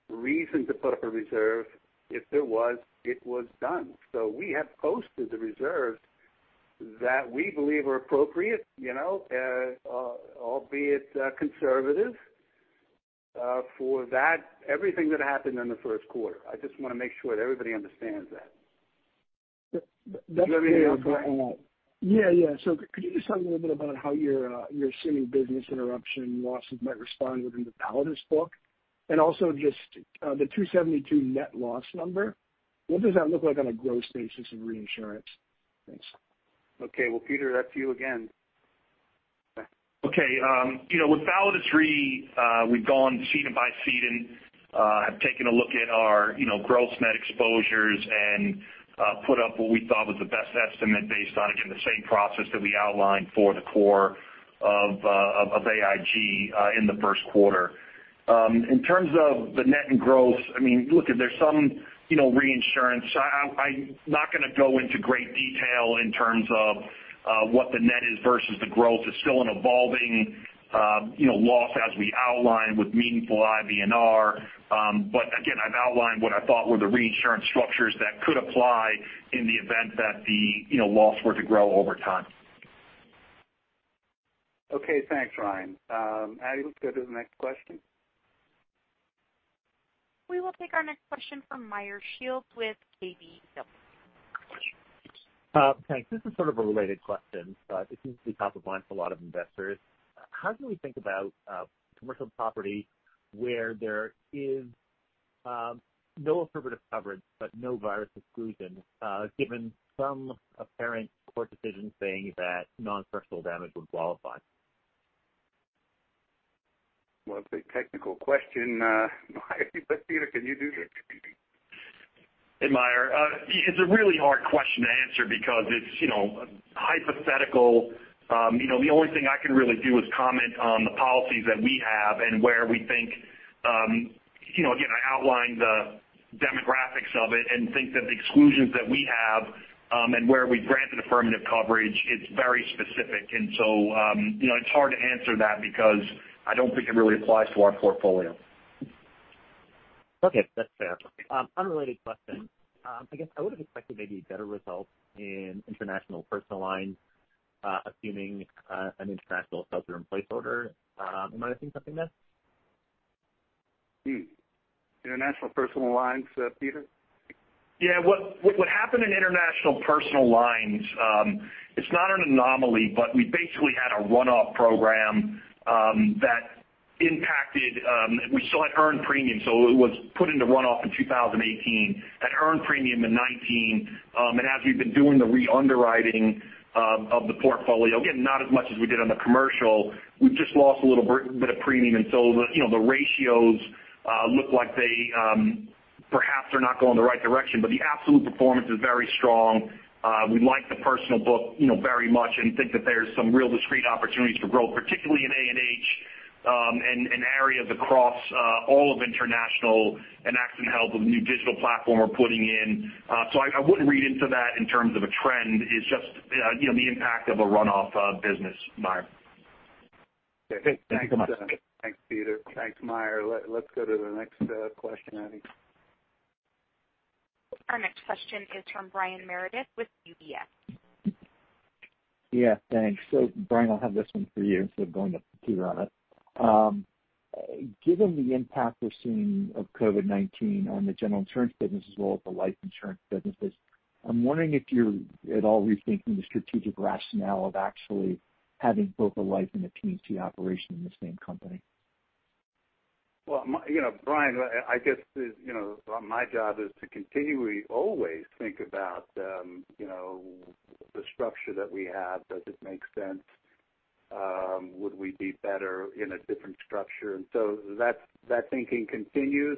reason to put up a reserve. If there was, it was done. We have posted the reserves that we believe are appropriate, albeit conservative, for that, everything that happened in the first quarter. I just want to make sure that everybody understands that. That's clear. Do you have anything else, Ryan? Yeah. Could you just talk a little bit about how your assuming business interruption losses might respond within the Validus book? Also just the $272 net loss number, what does that look like on a gross basis in reinsurance? Thanks. Okay. Well, Peter, that's you again. Okay. With Validus Re, we've gone ceded by ceded, have taken a look at our gross net exposures and put up what we thought was the best estimate based on, again, the same process that we outlined for the core of AIG in the first quarter. In terms of the net and gross, look, there's some reinsurance. I'm not going to go into great detail in terms of what the net is versus the growth. It's still an evolving loss as we outlined with meaningful IBNR. Again, I've outlined what I thought were the reinsurance structures that could apply in the event that the loss were to grow over time. Okay. Thanks, Ryan. Abby, let's go to the next question. We will take our next question from Meyer Shields with KBW. Thanks. This is sort of a related question, but it seems to be top of mind for a lot of investors. How do we think about commercial property where there is no affirmative coverage, but no virus exclusion, given some apparent court decisions saying that non-personal damage would qualify? Well, it's a technical question, Meyer, but Peter, can you do this? Hey, Meyer. It's a really hard question to answer because it's hypothetical. The only thing I can really do is comment on the policies that we have and where we think, again, I outlined the demographics of it and think that the exclusions that we have and where we've granted affirmative coverage, it's very specific. It's hard to answer that because I don't think it really applies to our portfolio. Okay. That's fair. Unrelated question. I guess I would have expected maybe a better result in international personal lines, assuming an international shelter in place order. Am I missing something there? International personal lines, Peter? What happened in international personal lines, it's not an anomaly, but we basically had a runoff program that impacted. We still had earned premium, so it was put into runoff in 2018. Had earned premium in 2019. As we've been doing the re-underwriting of the portfolio, again, not as much as we did on the commercial, we've just lost a little bit of premium until the ratios look like they perhaps are not going the right direction. The absolute performance is very strong. We like the personal book very much and think that there's some real discrete opportunities for growth, particularly in A&H and areas across all of international and accident health with the new digital platform we're putting in. I wouldn't read into that in terms of a trend. It's just the impact of a runoff business, Meyer. Okay. Thanks so much. Thanks, Peter. Thanks, Meyer. Let's go to the next question, Abby. Our next question is from Brian Meredith with UBS. Yeah, thanks. Brian, I'll have this one for you instead of going to Peter on it. Given the impact we're seeing of COVID-19 on the General Insurance business as well as the life insurance businesses, I'm wondering if you're at all rethinking the strategic rationale of actually having both a life and a P&C operation in the same company? Brian, I guess my job is to continually always think about the structure that we have. Does it make sense? Would we be better in a different structure? That thinking continues.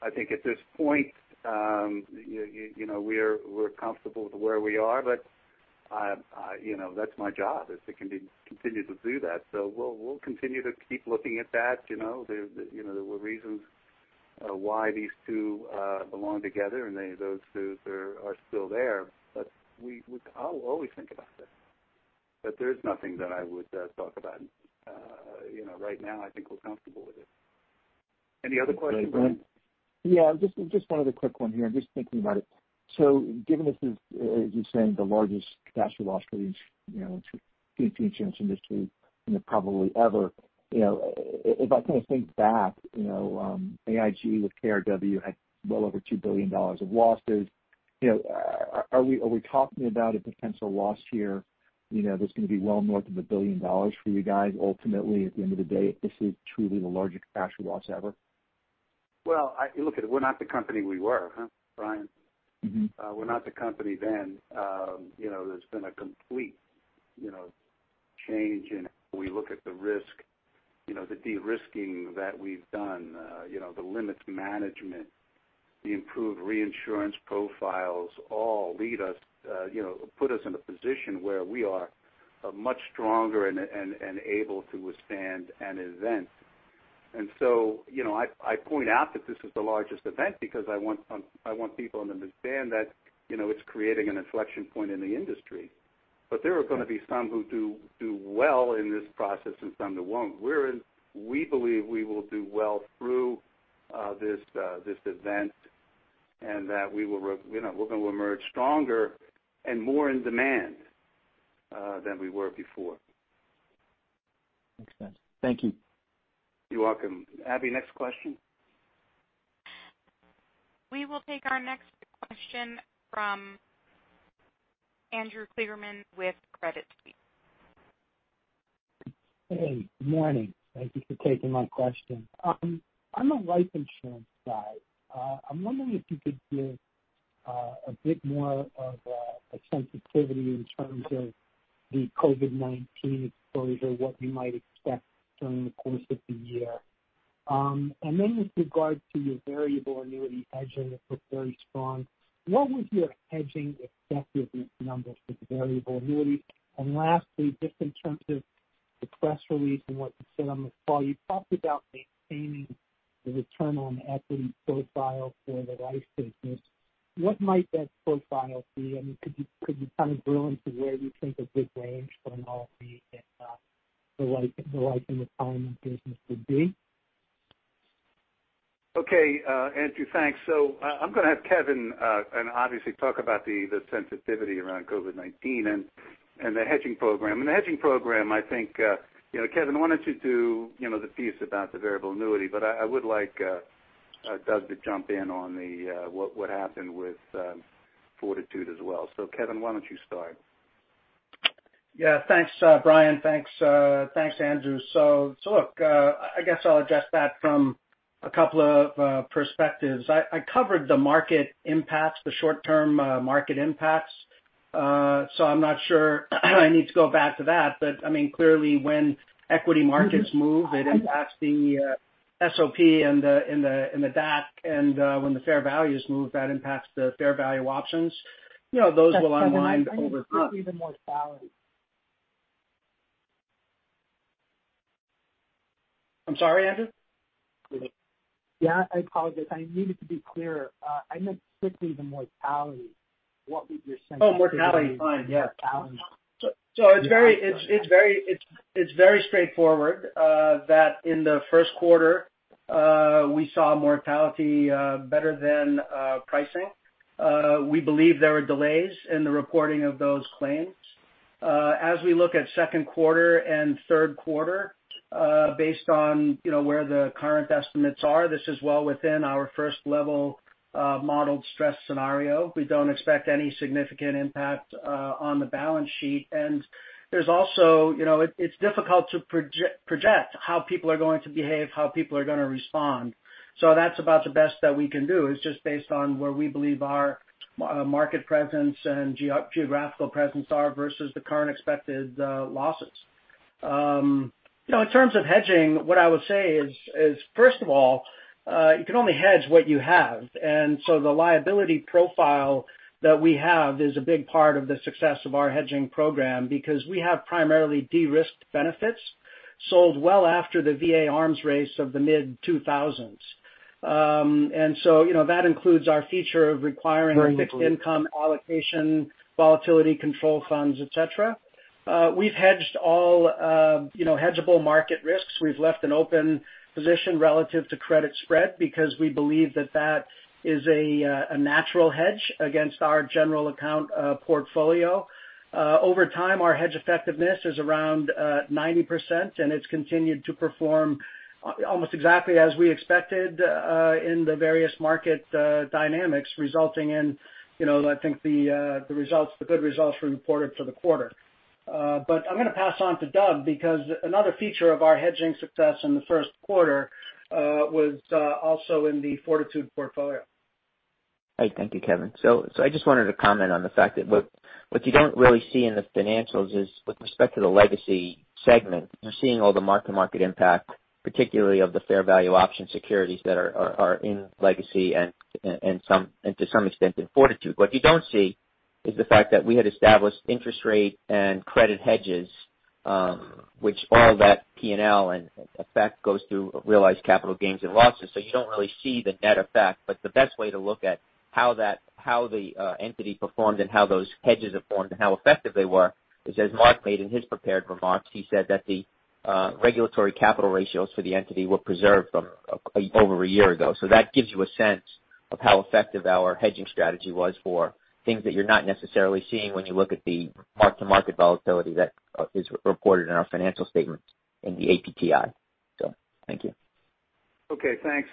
I think at this point, we're comfortable with where we are. That's my job, is to continue to do that. We'll continue to keep looking at that. There were reasons why these two belong together, and those two are still there. I'll always think about that. There's nothing that I would talk about. Right now, I think we're comfortable with it. Any other questions? Yeah. Just one other quick one here. I'm just thinking about it. Given this is, as you said, the largest catastrophe loss for the insurance industry probably ever, if I think back, AIG with KRW had well over $2 billion of losses. Are we talking about a potential loss here that's going to be well north of $1 billion for you guys ultimately, at the end of the day, if this is truly the largest catastrophe loss ever? Well, look, we're not the company we were, huh, Brian? We're not the company. There's been a complete change in how we look at the risk, the de-risking that we've done, the limits management, the improved reinsurance profiles all put us in a position where we are much stronger and able to withstand an event. I point out that this is the largest event because I want people to understand that it's creating an inflection point in the industry. There are going to be some who do well in this process and some that won't. We believe we will do well through this event and that we're going to emerge stronger and more in demand than we were before. Makes sense. Thank you. You're welcome. Abby, next question. We will take our next question from Andrew Kligerman with Credit Suisse. Hey, good morning. Thank you for taking my question. On the life insurance side, I'm wondering if you could give a bit more of a sensitivity in terms of the COVID-19 exposure, what we might expect during the course of the year. With regard to your variable annuity hedging that looked very strong, what was your hedging effectiveness numbers for the variable annuity? Lastly, just in terms of the press release and what you said on the call, you talked about maintaining the return on equity profile for the life business. What might that profile be? I mean, could you kind of drill into where you think a good range from all the Life & Retirement business would be? Okay. Andrew, thanks. I'm going to have Kevin obviously talk about the sensitivity around COVID-19 and the hedging program. The hedging program, I think, Kevin, why don't you do the piece about the variable annuity? I would like Douglas to jump in on what happened with Fortitude as well. Kevin, why don't you start? Thanks, Brian. Thanks, Andrew. Look, I guess I'll address that from a couple of perspectives. I covered the market impacts, the short-term market impacts, I'm not sure I need to go back to that. Clearly, when equity markets move, it impacts the SOP and the DAC, and when the fair values move, that impacts the fair value options. Those will unwind over time. I meant specifically the mortality. I'm sorry, Andrew? Yeah, I apologize. I needed to be clearer. I meant specifically the mortality. What would your sensitivity? Oh, mortality. Fine. Yeah. Mortality. It's very straightforward that in the first quarter, we saw mortality better than pricing. We believe there were delays in the reporting of those claims. As we look at second quarter and third quarter based on where the current estimates are, this is well within our first-level modeled stress scenario. We don't expect any significant impact on the balance sheet. It's difficult to project how people are going to behave, how people are going to respond. That's about the best that we can do, is just based on where we believe our market presence and geographical presence are versus the current expected losses. In terms of hedging, what I would say is, first of all, you can only hedge what you have. The liability profile that we have is a big part of the success of our hedging program because we have primarily de-risked benefits sold well after the VA arms race of the mid-2000s. That includes our feature of requiring. Very briefly. Fixed income allocation, volatility control funds, et cetera. We've hedged all hedgeable market risks. We've left an open position relative to credit spread because we believe that is a natural hedge against our general account portfolio. Over time, our hedge effectiveness is around 90%, and it's continued to perform almost exactly as we expected in the various market dynamics, resulting in, I think, the good results we reported for the quarter. I'm going to pass on to Douglas because another feature of our hedging success in the first quarter was also in the Fortitude portfolio. Right. Thank you, Kevin. I just wanted to comment on the fact that what you don't really see in the financials is with respect to the legacy segment, you're seeing all the mark-to-market impact, particularly of the fair value option securities that are in legacy and to some extent in Fortitude. What you don't see is the fact that we had established interest rate and credit hedges, which all that P&L and effect goes through realized capital gains and losses. You don't really see the net effect, but the best way to look at how the entity performed and how those hedges are formed and how effective they were is, as Mark made in his prepared remarks, he said that the regulatory capital ratios for the entity were preserved from over a year ago. That gives you a sense of how effective our hedging strategy was for things that you're not necessarily seeing when you look at the mark-to-market volatility that is reported in our financial statements in the APTI. Thank you. Okay. Thanks,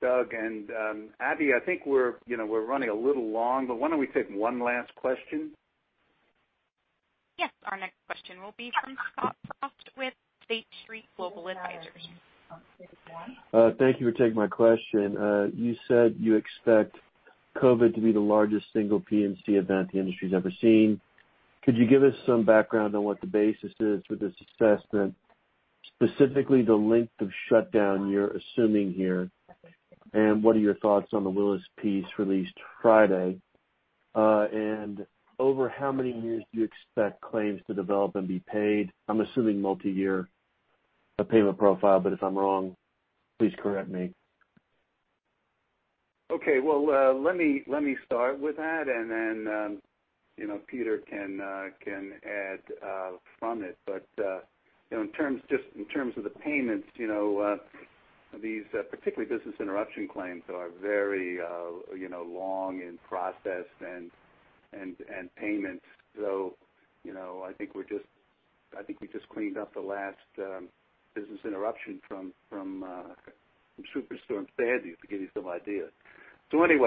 Douglas. Abby, I think we're running a little long, but why don't we take one last question? Yes. Our next question will be from Scott Croft with State Street Global Advisors. Thank you for taking my question. You said you expect COVID to be the largest single P&C event the industry's ever seen. Could you give us some background on what the basis is for this assessment, specifically the length of shutdown you're assuming here? What are your thoughts on the Willis piece released Friday? Over how many years do you expect claims to develop and be paid? I'm assuming multi-year, payment profile, but if I'm wrong, please correct me. Okay. Well, let me start with that. Peter can add from it. Just in terms of the payments, these particularly business interruption claims are very long in process and payments. I think we just cleaned up the last business interruption from Superstorm Sandy to give you some idea.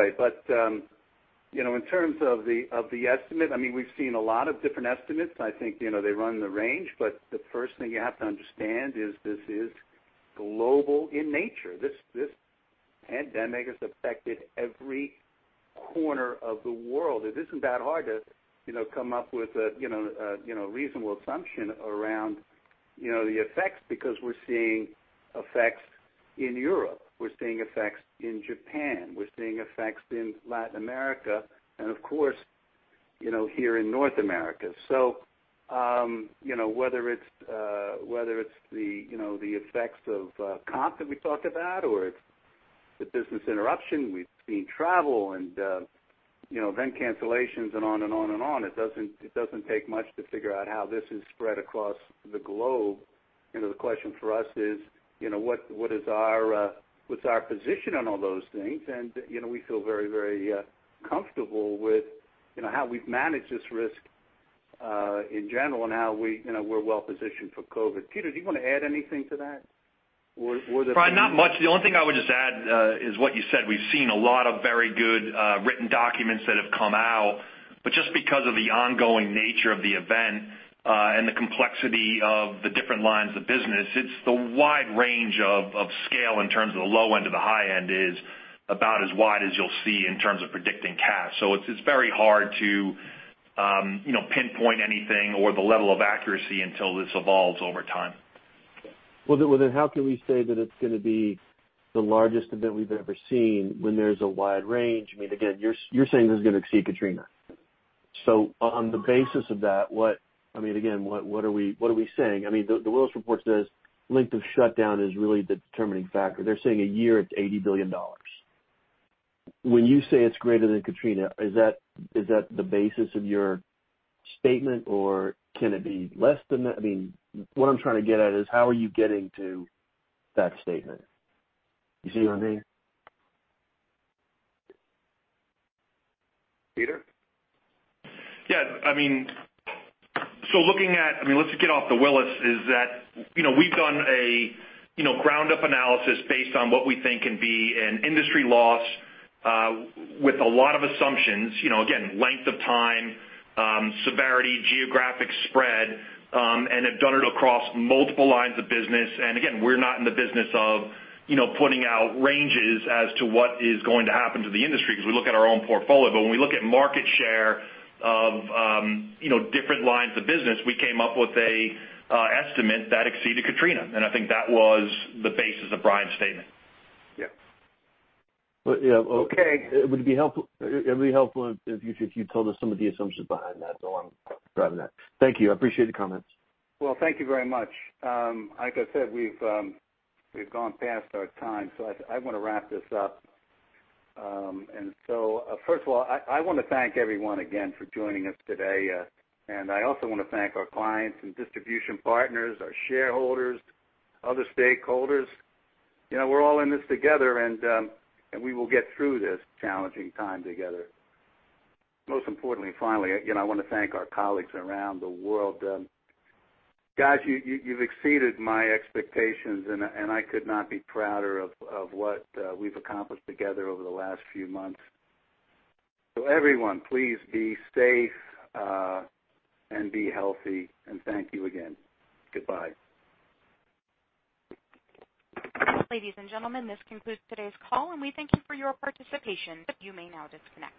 In terms of the estimate, we've seen a lot of different estimates. I think they run the range. The first thing you have to understand is this is global in nature. This pandemic has affected every corner of the world. It isn't that hard to come up with a reasonable assumption around the effects because we're seeing effects in Europe, we're seeing effects in Japan, we're seeing effects in Latin America and of course, here in North America. Whether it's the effects of comp that we talked about or it's the business interruption, we've seen travel and event cancellations and on and on and on. It doesn't take much to figure out how this is spread across the globe. The question for us is, what's our position on all those things? We feel very comfortable with how we've managed this risk, in general, and how we're well-positioned for COVID. Peter, do you want to add anything to that? Brian, not much. The only thing I would just add is what you said. We've seen a lot of very good written documents that have come out, but just because of the ongoing nature of the event, and the complexity of the different lines of business, it's the wide range of scale in terms of the low end to the high end is about as wide as you'll see in terms of predicting CAS. It's very hard to pinpoint anything or the level of accuracy until this evolves over time. How can we say that it's going to be the largest event we've ever seen when there's a wide range? Again, you're saying this is going to exceed Katrina. On the basis of that, again, what are we saying? The Willis report says length of shutdown is really the determining factor. They're saying a year, it's $80 billion. When you say it's greater than Katrina, is that the basis of your statement, or can it be less than that? What I'm trying to get at is how are you getting to that statement? You see what I mean? Peter? Let's get off the Willis, is that we've done a ground-up analysis based on what we think can be an industry loss, with a lot of assumptions. Again, length of time, severity, geographic spread, and have done it across multiple lines of business. Again, we're not in the business of putting out ranges as to what is going to happen to the industry because we look at our own portfolio. When we look at market share of different lines of business, we came up with an estimate that exceeded Katrina. I think that was the basis of Brian's statement. Yeah. Okay. It would be helpful if you told us some of the assumptions behind that. I'm driving that. Thank you. I appreciate the comments. Well, thank you very much. Like I said, we've gone past our time. I want to wrap this up. First of all, I want to thank everyone again for joining us today. I also want to thank our clients and distribution partners, our shareholders, other stakeholders. We're all in this together, and we will get through this challenging time together. Most importantly, finally, I want to thank our colleagues around the world. Guys, you've exceeded my expectations, and I could not be prouder of what we've accomplished together over the last few months. Everyone, please be safe and be healthy, and thank you again. Goodbye. Ladies and gentlemen, this concludes today's call, and we thank you for your participation. You may now disconnect.